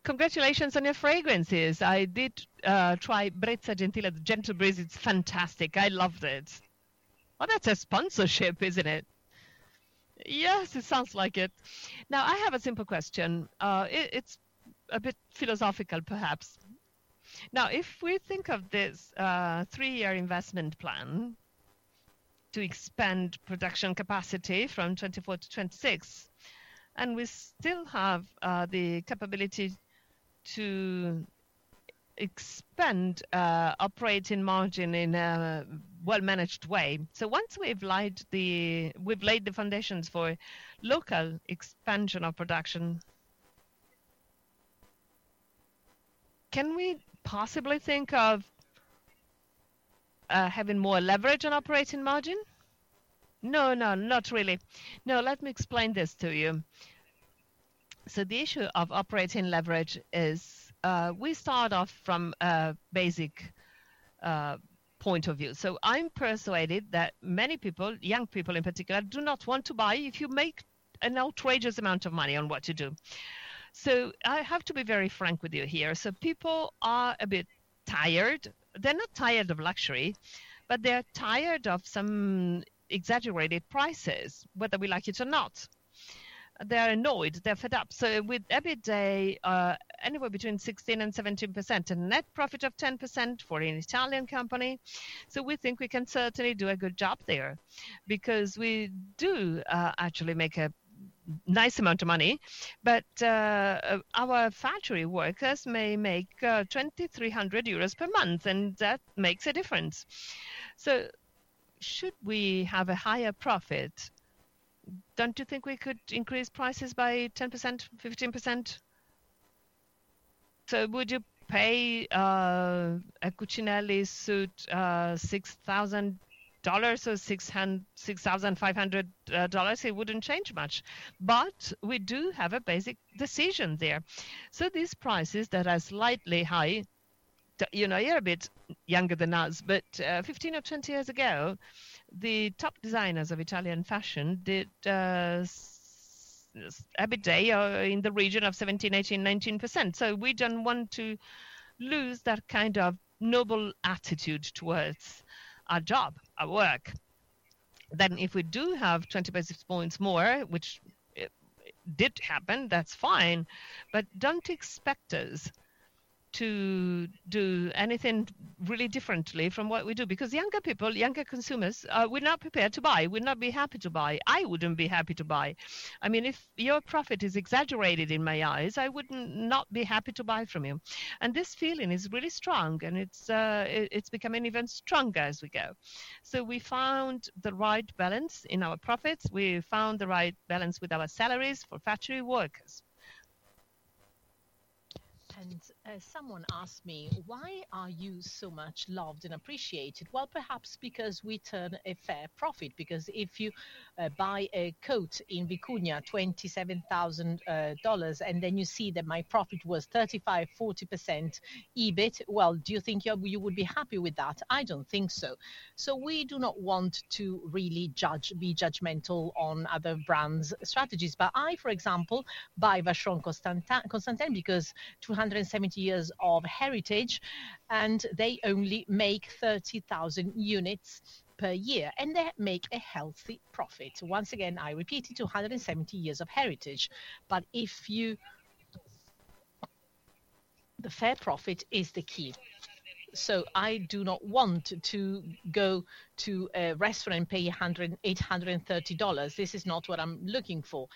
Congratulations on your fragrances. I did try Brezza Gentila, the Gentle Breeze. It is fantastic. I loved it. That is a sponsorship, is it not? Yes, it sounds like it. I have a simple question. It's a bit philosophical, perhaps. Now, if we think of this three-year investment plan to expand production capacity from 24 to 26, and we still have the capability to expand operating margin in a well-managed way. Once we've laid the foundations for local expansion of production, can we possibly think of having more leverage on operating margin? No, no, not really. Let me explain this to you. The issue of operating leverage is we start off from a basic point of view. I'm persuaded that many people, young people in particular, do not want to buy if you make an outrageous amount of money on what you do. I have to be very frank with you here. People are a bit tired. They're not tired of luxury, but they're tired of some exaggerated prices, whether we like it or not. They're annoyed. They're fed up. With every day, anywhere between 16%-17%, a net profit of 10% for an Italian company. We think we can certainly do a good job there because we do actually make a nice amount of money. Our factory workers may make 2,300 euros per month, and that makes a difference. Should we have a higher profit? Don't you think we could increase prices by 10%-15%? Would you pay a Cucinelli suit $6,000 or $6,500? It wouldn't change much. We do have a basic decision there. These prices that are slightly high, you know you're a bit younger than us, but 15 or 20 years ago, the top designers of Italian fashion did every day in the region of 17%-19%. We don't want to lose that kind of noble attitude towards our job, our work. If we do have 20 basis points more, which did happen, that's fine. Do not expect us to do anything really differently from what we do because younger people, younger consumers, we're not prepared to buy. We're not be happy to buy. I wouldn't be happy to buy. I mean, if your profit is exaggerated in my eyes, I would not be happy to buy from you. This feeling is really strong, and it's becoming even stronger as we go. We found the right balance in our profits. We found the right balance with our salaries for factory workers. Someone asked me, why are you so much loved and appreciated? Perhaps because we turn a fair profit. Because if you buy a coat in Vicuña, $27,000, and then you see that my profit was 35%-40% EBIT, do you think you would be happy with that? I do not think so. We do not want to really be judgmental on other brands' strategies. I, for example, buy Vacheron Constantin because 270 years of heritage, and they only make 30,000 units per year. They make a healthy profit. Once again, I repeat, 270 years of heritage. The fair profit is the key. I do not want to go to a restaurant and pay $830. This is not what I am looking for.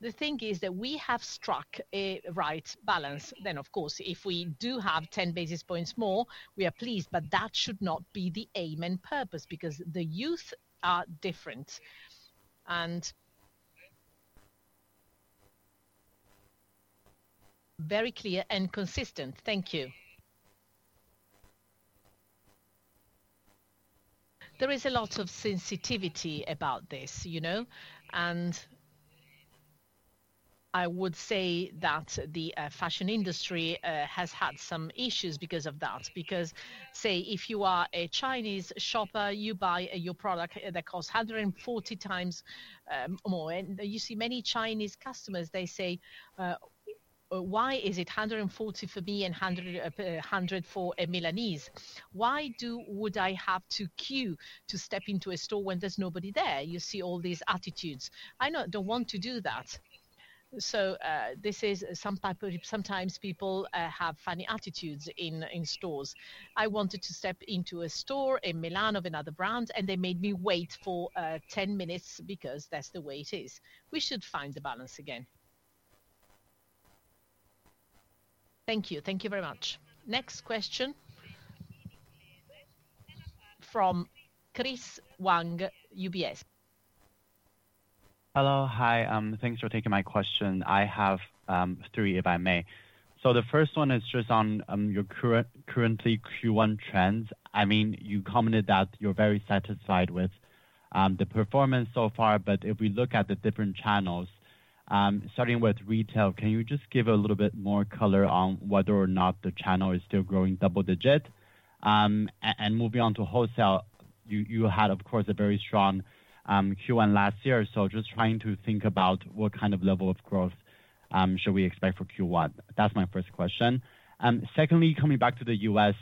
The thing is that we have struck a right balance. Of course, if we do have 10 basis points more, we are pleased. That should not be the aim and purpose because the youth are different. Very clear and consistent. Thank you. There is a lot of sensitivity about this. I would say that the fashion industry has had some issues because of that. Because, say, if you are a Chinese shopper, you buy your product that costs 140 times more. You see many Chinese customers, they say, "Why is it 140 for me and 100 for a Milanese? Why would I have to queue to step into a store when there's nobody there?" You see all these attitudes. I don't want to do that. Sometimes people have funny attitudes in stores. I wanted to step into a store in Milan of another brand, and they made me wait for 10 minutes because that's the way it is. We should find the balance again. Thank you. Thank you very much. Next question from Chris Huang, UBS. Hello. Hi. Thanks for taking my question. I have three, if I may. The first one is just on your current Q1 trends. I mean, you commented that you're very satisfied with the performance so far. If we look at the different channels, starting with retail, can you just give a little bit more color on whether or not the channel is still growing double-digit? Moving on to wholesale, you had, of course, a very strong Q1 last year. Just trying to think about what kind of level of growth should we expect for Q1. That's my first question. Secondly, coming back to the U.S.,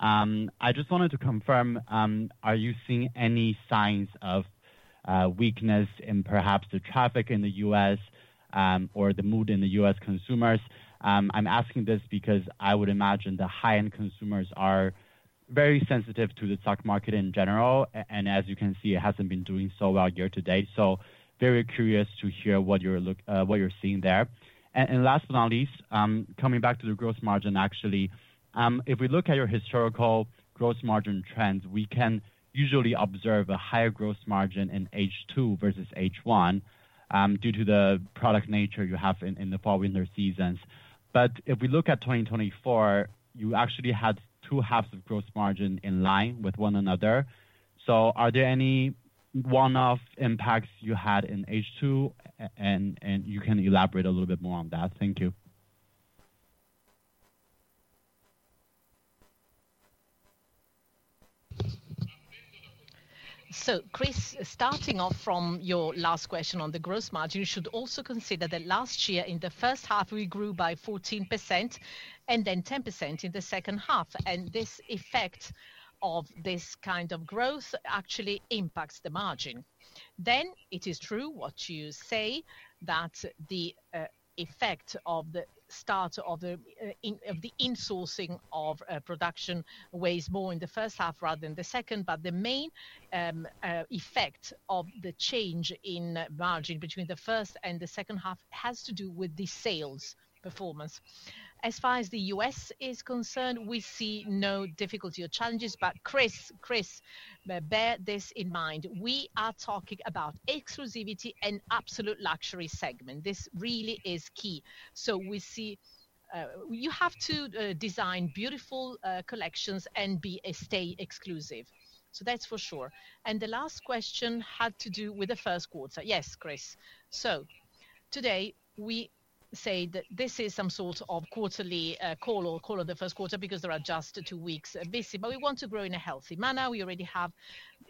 I just wanted to confirm, are you seeing any signs of weakness in perhaps the traffic in the U.S. or the mood in the U.S. consumers? I'm asking this because I would imagine the high-end consumers are very sensitive to the stock market in general. As you can see, it hasn't been doing so well year to date. I am very curious to hear what you're seeing there. Last but not least, coming back to the gross margin, actually, if we look at your historical gross margin trends, we can usually observe a higher gross margin in H2 versus H1 due to the product nature you have in the fall, winter seasons. If we look at 2024, you actually had two halves of gross margin in line with one another. Are there any one-off impacts you had in H2? You can elaborate a little bit more on that. Thank you. Chris, starting off from your last question on the gross margin, you should also consider that last year, in the first half, we grew by 14% and then 10% in the second half. The effect of this kind of growth actually impacts the margin. It is true what you say, that the effect of the start of the insourcing of production weighs more in the first half rather than the second. The main effect of the change in margin between the first and the second half has to do with the sales performance. As far as the U.S. is concerned, we see no difficulty or challenges. Chris, bear this in mind. We are talking about exclusivity and absolute luxury segment. This really is key. We see you have to design beautiful collections and stay exclusive. That is for sure. The last question had to do with the first quarter. Yes, Chris. Today, we say that this is some sort of quarterly call or call of the first quarter because there are just two weeks busy. We want to grow in a healthy manner. We already have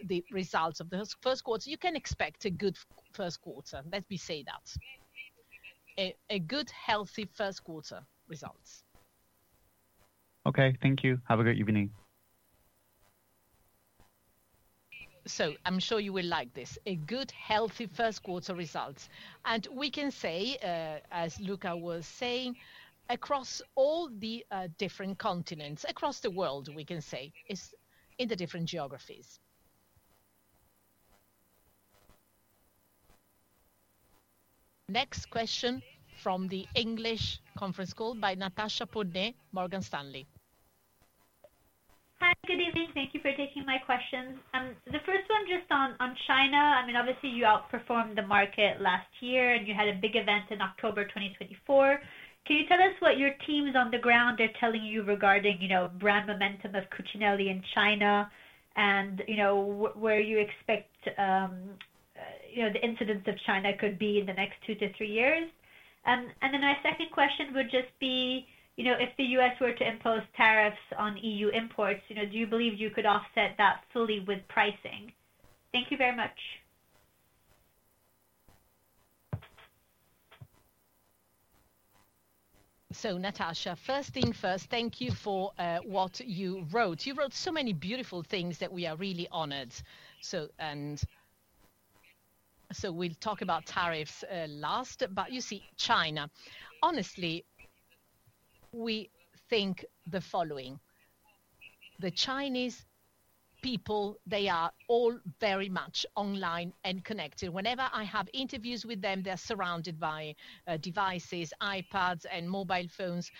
the results of the first quarter. You can expect a good first quarter. Let me say that. A good, healthy first quarter results. Okay. Thank you. Have a good evening. I am sure you will like this. A good, healthy first quarter results. We can say, as Luca was saying, across all the different continents, across the world, we can say, in the different geographies. Next question from the English conference call by Natasha Bonnet, Morgan Stanley. Hi, good evening. Thank you for taking my questions. The first one just on China. I mean, obviously, you outperformed the market last year, and you had a big event in October 2024. Can you tell us what your teams on the ground are telling you regarding brand momentum of Cucinelli in China and where you expect the incidence of China could be in the next two to three years? My second question would just be, if the U.S. were to impose tariffs on EU imports, do you believe you could offset that fully with pricing? Thank you very much. Natasha, first thing first, thank you for what you wrote. You wrote so many beautiful things that we are really honored. We will talk about tariffs last. You see, China. Honestly, we think the following. The Chinese people, they are all very much online and connected. Whenever I have interviews with them, they're surrounded by devices, iPads, and mobile phones.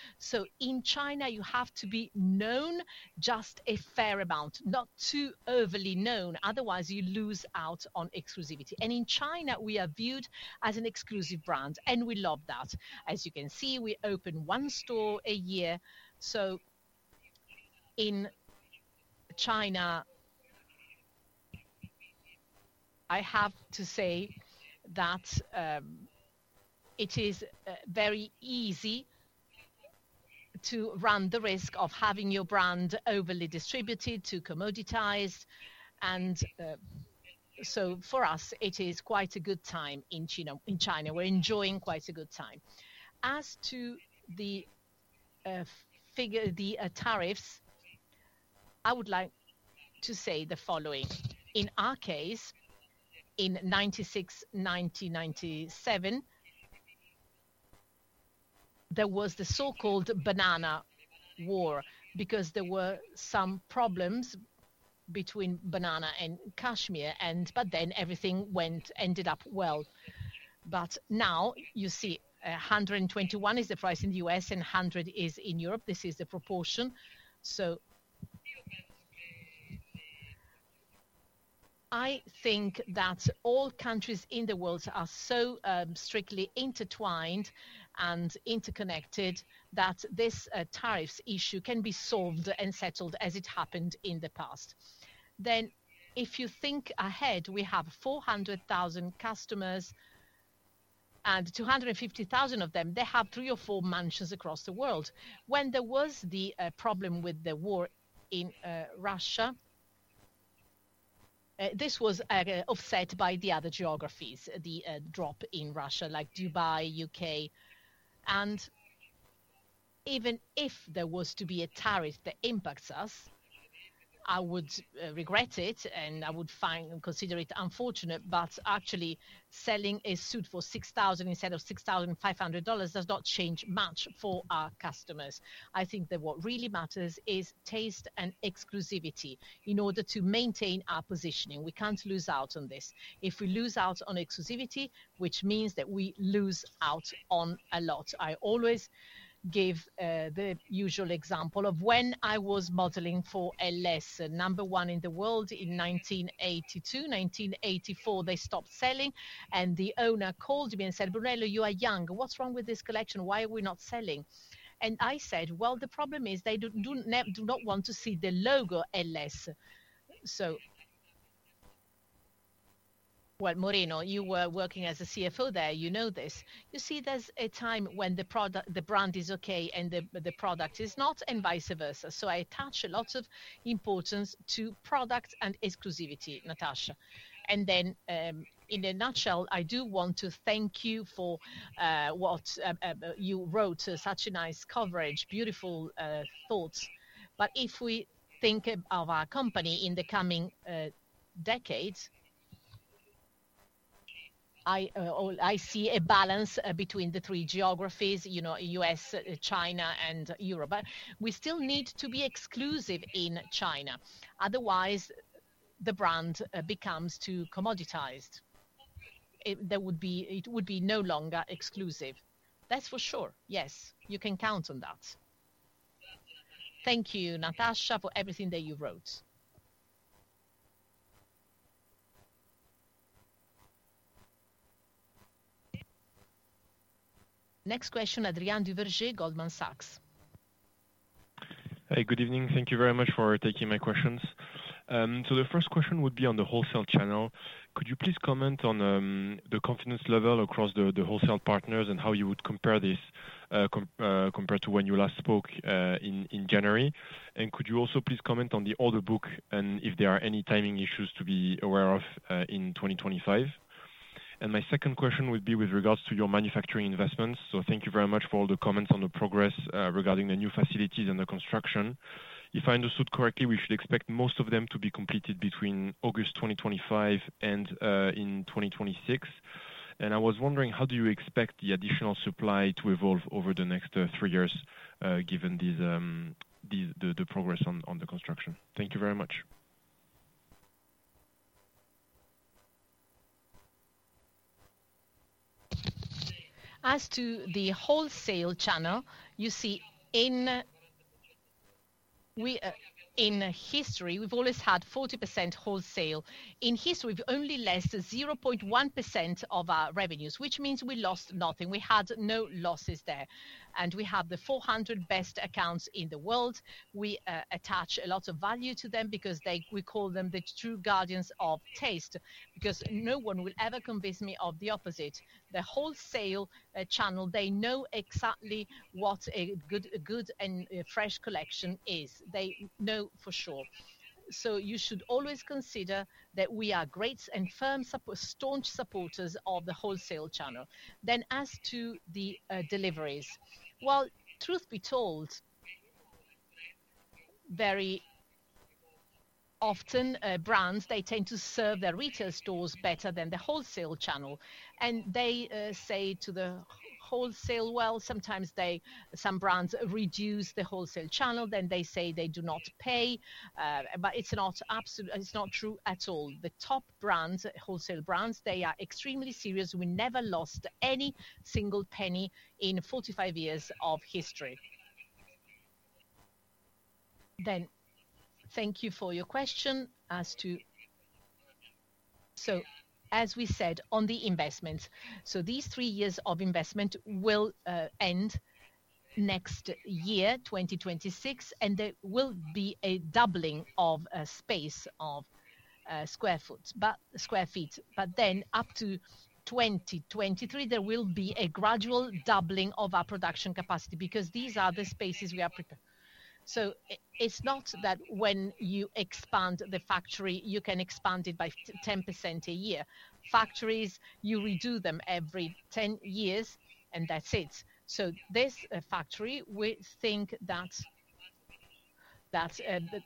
In China, you have to be known just a fair amount, not too overly known. Otherwise, you lose out on exclusivity. In China, we are viewed as an exclusive brand. We love that. As you can see, we open one store a year. In China, I have to say that it is very easy to run the risk of having your brand overly distributed to commoditized. For us, it is quite a good time in China. We're enjoying quite a good time. As to the tariffs, I would like to say the following. In our case, in 1996, 1997, there was the so-called banana war because there were some problems between banana and cashmere. Then everything ended up well. Now, you see, 121 is the price in the U.S., and 100 is in Europe. This is the proportion. I think that all countries in the world are so strictly intertwined and interconnected that this tariffs issue can be solved and settled as it happened in the past. If you think ahead, we have 400,000 customers, and 250,000 of them, they have three or four mansions across the world. When there was the problem with the war in Russia, this was offset by the other geographies, the drop in Russia, like Dubai, U.K. Even if there was to be a tariff that impacts us, I would regret it, and I would consider it unfortunate. Actually, selling a suit for $6,000 instead of $6,500 does not change much for our customers. I think that what really matters is taste and exclusivity in order to maintain our positioning. We can't lose out on this. If we lose out on exclusivity, which means that we lose out on a lot. I always give the usual example of when I was modeling for Eles, number one in the world in 1982. In 1984, they stopped selling. The owner called me and said, "Brunello, you are young. What's wrong with this collection? Why are we not selling?" I said, "The problem is they do not want to see the logo Eles." Moreno, you were working as a CFO there. You know this. You see, there is a time when the brand is okay and the product is not, and vice versa. I attach a lot of importance to product and exclusivity, Natasha. In a nutshell, I do want to thank you for what you wrote, such a nice coverage, beautiful thoughts. If we think of our company in the coming decades, I see a balance between the three geographies, U.S., China, and Europe. We still need to be exclusive in China. Otherwise, the brand becomes too commoditized. It would be no longer exclusive. That's for sure. Yes, you can count on that. Thank you, Natasha, for everything that you wrote. Next question, Adrien Duverger, Goldman Sachs. Hi, good evening. Thank you very much for taking my questions. The first question would be on the wholesale channel. Could you please comment on the confidence level across the wholesale partners and how you would compare this compared to when you last spoke in January? Could you also please comment on the order book and if there are any timing issues to be aware of in 2025? My second question would be with regards to your manufacturing investments. Thank you very much for all the comments on the progress regarding the new facilities and the construction. If I understood correctly, we should expect most of them to be completed between August 2025 and in 2026. I was wondering, how do you expect the additional supply to evolve over the next three years given the progress on the construction? Thank you very much. As to the wholesale channel, you see, in history, we've always had 40% wholesale. In history, we've only less than 0.1% of our revenues, which means we lost nothing. We had no losses there. We have the 400 best accounts in the world. We attach a lot of value to them because we call them the true guardians of taste. Because no one will ever convince me of the opposite. The wholesale channel, they know exactly what a good and fresh collection is. They know for sure. You should always consider that we are great and firm staunch supporters of the wholesale channel. As to the deliveries, truth be told, very often, brands tend to serve their retail stores better than the wholesale channel. They say to the wholesale, sometimes some brands reduce the wholesale channel. They say they do not pay, but it is not true at all. The top brands, wholesale brands, are extremely serious. We never lost any single penny in 45 years of history. Thank you for your question. As we said on the investments, these three years of investment will end next year, 2026, and there will be a doubling of space of sq ft. Up to 2023, there will be a gradual doubling of our production capacity because these are the spaces we are preparing. It is not that when you expand the factory, you can expand it by 10% a year. Factories, you redo them every 10 years, and that is it. This factory, we think that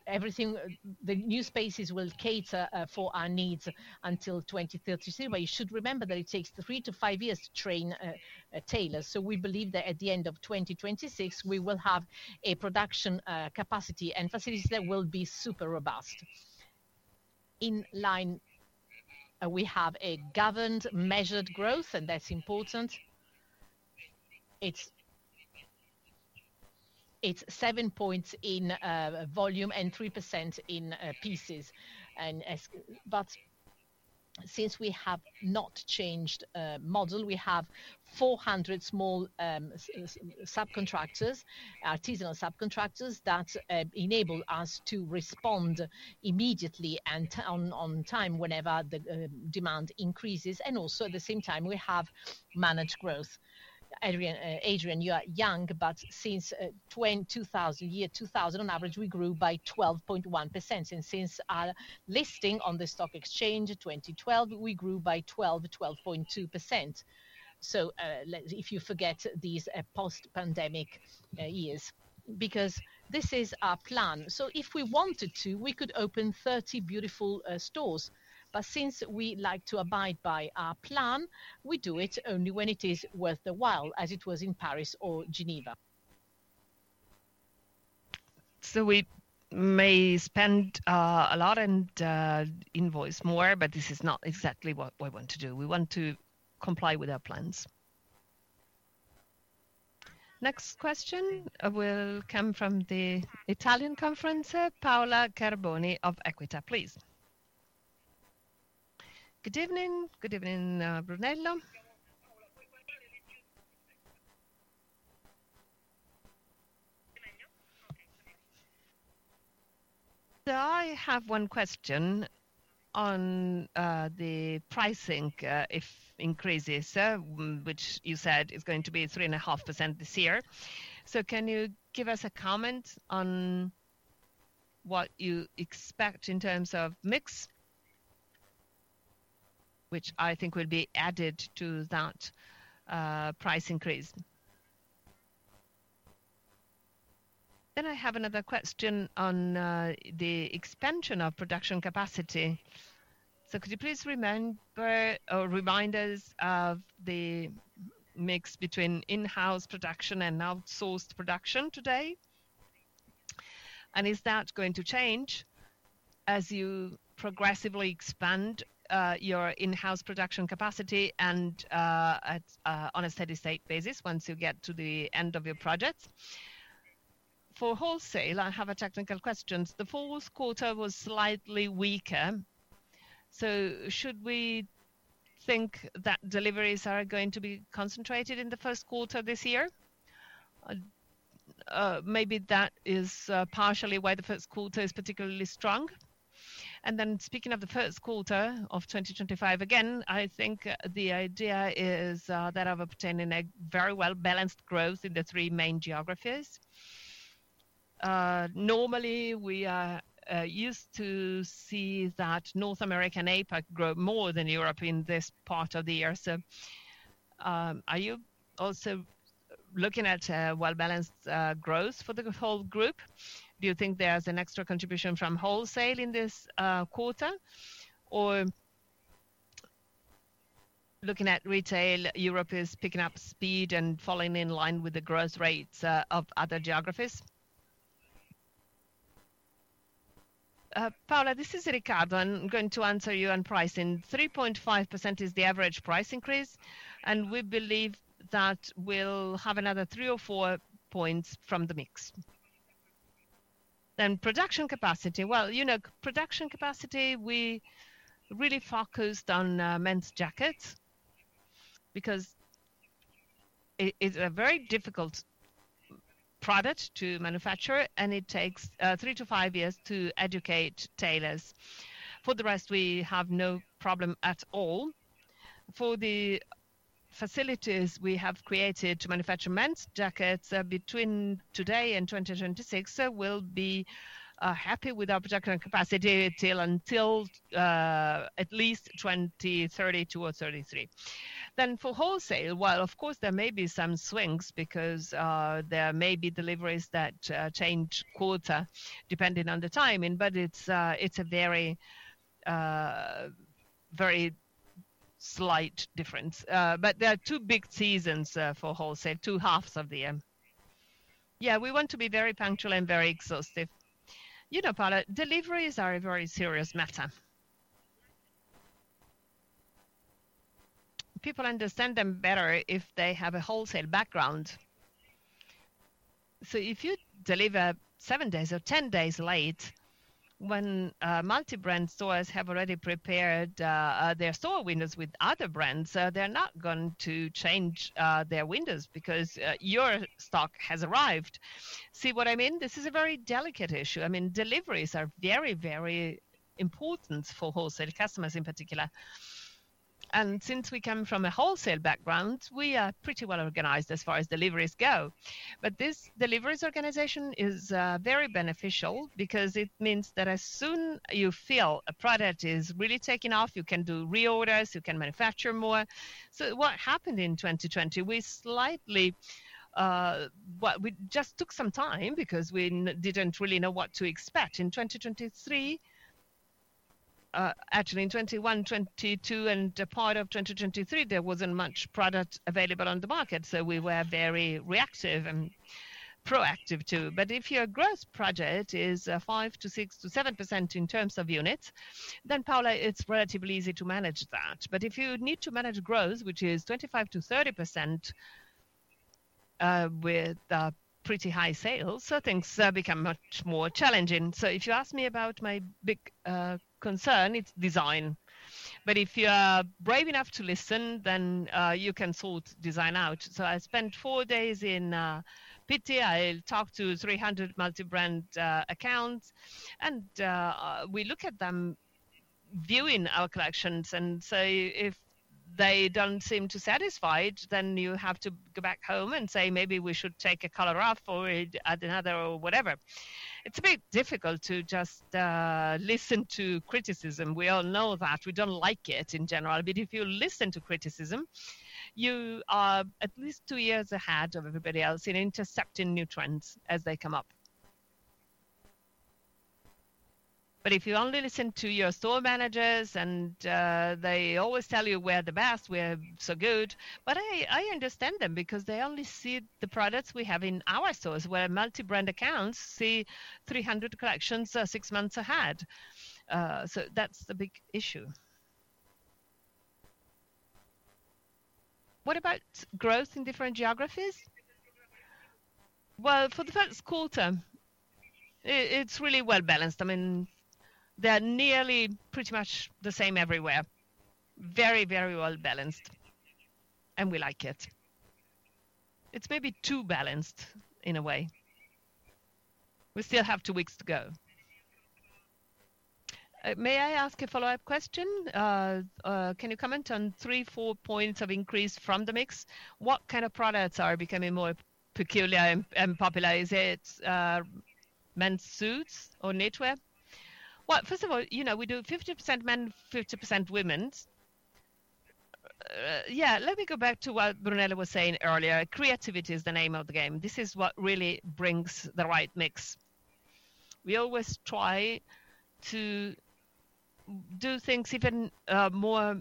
everything, the new spaces will cater for our needs until 2036. You should remember that it takes three to five years to train a tailor. We believe that at the end of 2026, we will have a production capacity and facilities that will be super robust. In line, we have a governed measured growth, and that is important. It is seven points in volume and three percent in pieces. Since we have not changed model, we have 400 small subcontractors, artisanal subcontractors that enable us to respond immediately and on time whenever the demand increases. Also at the same time, we have managed growth. Adrien, Adrien, you are young, but since 2000, year 2000, on average, we grew by 12.1%. And since our listing on the stock exchange in 2012, we grew by 12, 12.2%. If you forget these post-pandemic years, because this is our plan. If we wanted to, we could open 30 beautiful stores. Since we like to abide by our plan, we do it only when it is worth the while, as it was in Paris or Geneva. We may spend a lot and invoice more, but this is not exactly what we want to do. We want to comply with our plans. Next question will come from the Italian conference, Paola Carboni of Equita, please. Good evening. Good evening, Brunello. I have one question on the pricing, if increases, which you said is going to be 3.5% this year. Can you give us a comment on what you expect in terms of mix, which I think will be added to that price increase? I have another question on the expansion of production capacity. Could you please remind us of the mix between in-house production and outsourced production today? Is that going to change as you progressively expand your in-house production capacity on a steady-state basis once you get to the end of your projects? For wholesale, I have a technical question. The fourth quarter was slightly weaker. Should we think that deliveries are going to be concentrated in the first quarter this year? Maybe that is partially why the first quarter is particularly strong. Speaking of the first quarter of 2025, again, I think the idea is that of obtaining a very well-balanced growth in the three main geographies. Normally, we are used to see that North American APAC grow more than Europe in this part of the year. Are you also looking at a well-balanced growth for the whole group? Do you think there's an extra contribution from wholesale in this quarter? Looking at retail, Europe is picking up speed and following in line with the growth rates of other geographies? Paola, this is Riccardo. I'm going to answer you on pricing. 3.5% is the average price increase. We believe that we'll have another three or four points from the mix. Production capacity, you know, production capacity, we really focused on men's jackets because it's a very difficult product to manufacture, and it takes three to five years to educate tailors. For the rest, we have no problem at all. For the facilities we have created to manufacture men's jackets between today and 2026, we'll be happy with our production capacity until at least 2032 or 2033. For wholesale, of course, there may be some swings because there may be deliveries that change quarter depending on the timing. It is a very, very slight difference. There are two big seasons for wholesale, two halves of the year. We want to be very punctual and very exhaustive. You know, Paola, deliveries are a very serious matter. People understand them better if they have a wholesale background. If you deliver seven days or ten days late, when multi-brand stores have already prepared their store windows with other brands, they're not going to change their windows because your stock has arrived. See what I mean? This is a very delicate issue. I mean, deliveries are very, very important for wholesale customers in particular. Since we come from a wholesale background, we are pretty well organized as far as deliveries go. This deliveries organization is very beneficial because it means that as soon as you feel a product is really taking off, you can do reorders, you can manufacture more. What happened in 2020, we slightly just took some time because we did not really know what to expect in 2023. Actually, in 2021, 2022, and part of 2023, there was not much product available on the market. We were very reactive and proactive too. If your gross project is 5%-6%-7% in terms of units, then, Paola, it is relatively easy to manage that. If you need to manage growth, which is 25%-30% with pretty high sales, certain things become much more challenging. If you ask me about my big concern, it's design. If you're brave enough to listen, then you can sort design out. I spent four days in Pitty. I talked to 300 multi-brand accounts. We look at them viewing our collections and say, if they do not seem too satisfied, then you have to go back home and say, maybe we should take a color off or add another or whatever. It's a bit difficult to just listen to criticism. We all know that. We do not like it in general. If you listen to criticism, you are at least two years ahead of everybody else in intercepting new trends as they come up. If you only listen to your store managers and they always tell you we're the best, we're so good, I understand them because they only see the products we have in our stores where multi-brand accounts see 300 collections six months ahead. That's the big issue. What about growth in different geographies? For the first quarter, it's really well balanced. I mean, they're nearly pretty much the same everywhere. Very, very well balanced. We like it. It's maybe too balanced in a way. We still have two weeks to go. May I ask a follow-up question? Can you comment on three, four points of increase from the mix? What kind of products are becoming more peculiar and popular? Is it men's suits or knitwear? First of all, you know we do 50% men, 50% women. Yeah, let me go back to what Brunello was saying earlier. Creativity is the name of the game. This is what really brings the right mix. We always try to do things even more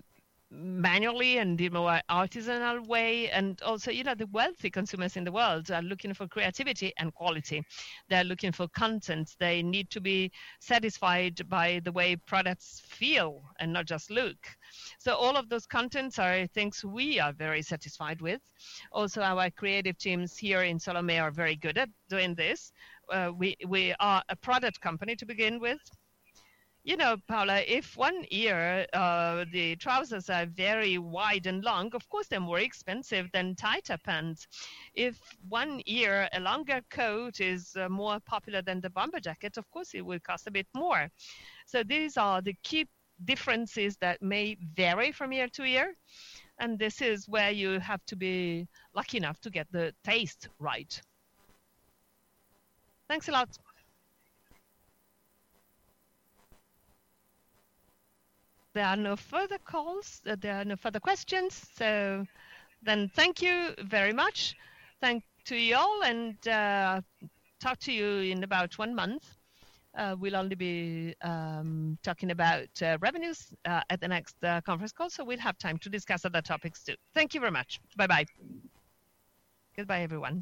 manually and in a more artisanal way. You know, the wealthy consumers in the world are looking for creativity and quality. They're looking for content. They need to be satisfied by the way products feel and not just look. All of those contents are things we are very satisfied with. Also, our creative teams here in Solomeo are very good at doing this. We are a product company to begin with. You know, Paola, if one year, the trousers are very wide and long, of course, they're more expensive than tighter pants. If one year, a longer coat is more popular than the bomber jacket, of course, it will cost a bit more. These are the key differences that may vary from year to year. This is where you have to be lucky enough to get the taste right. Thanks a lot. There are no further calls. There are no further questions. Thank you very much. Thanks to you all. Talk to you in about one month. We will only be talking about revenues at the next conference call. We will have time to discuss other topics too. Thank you very much. Bye-bye. Goodbye, everyone.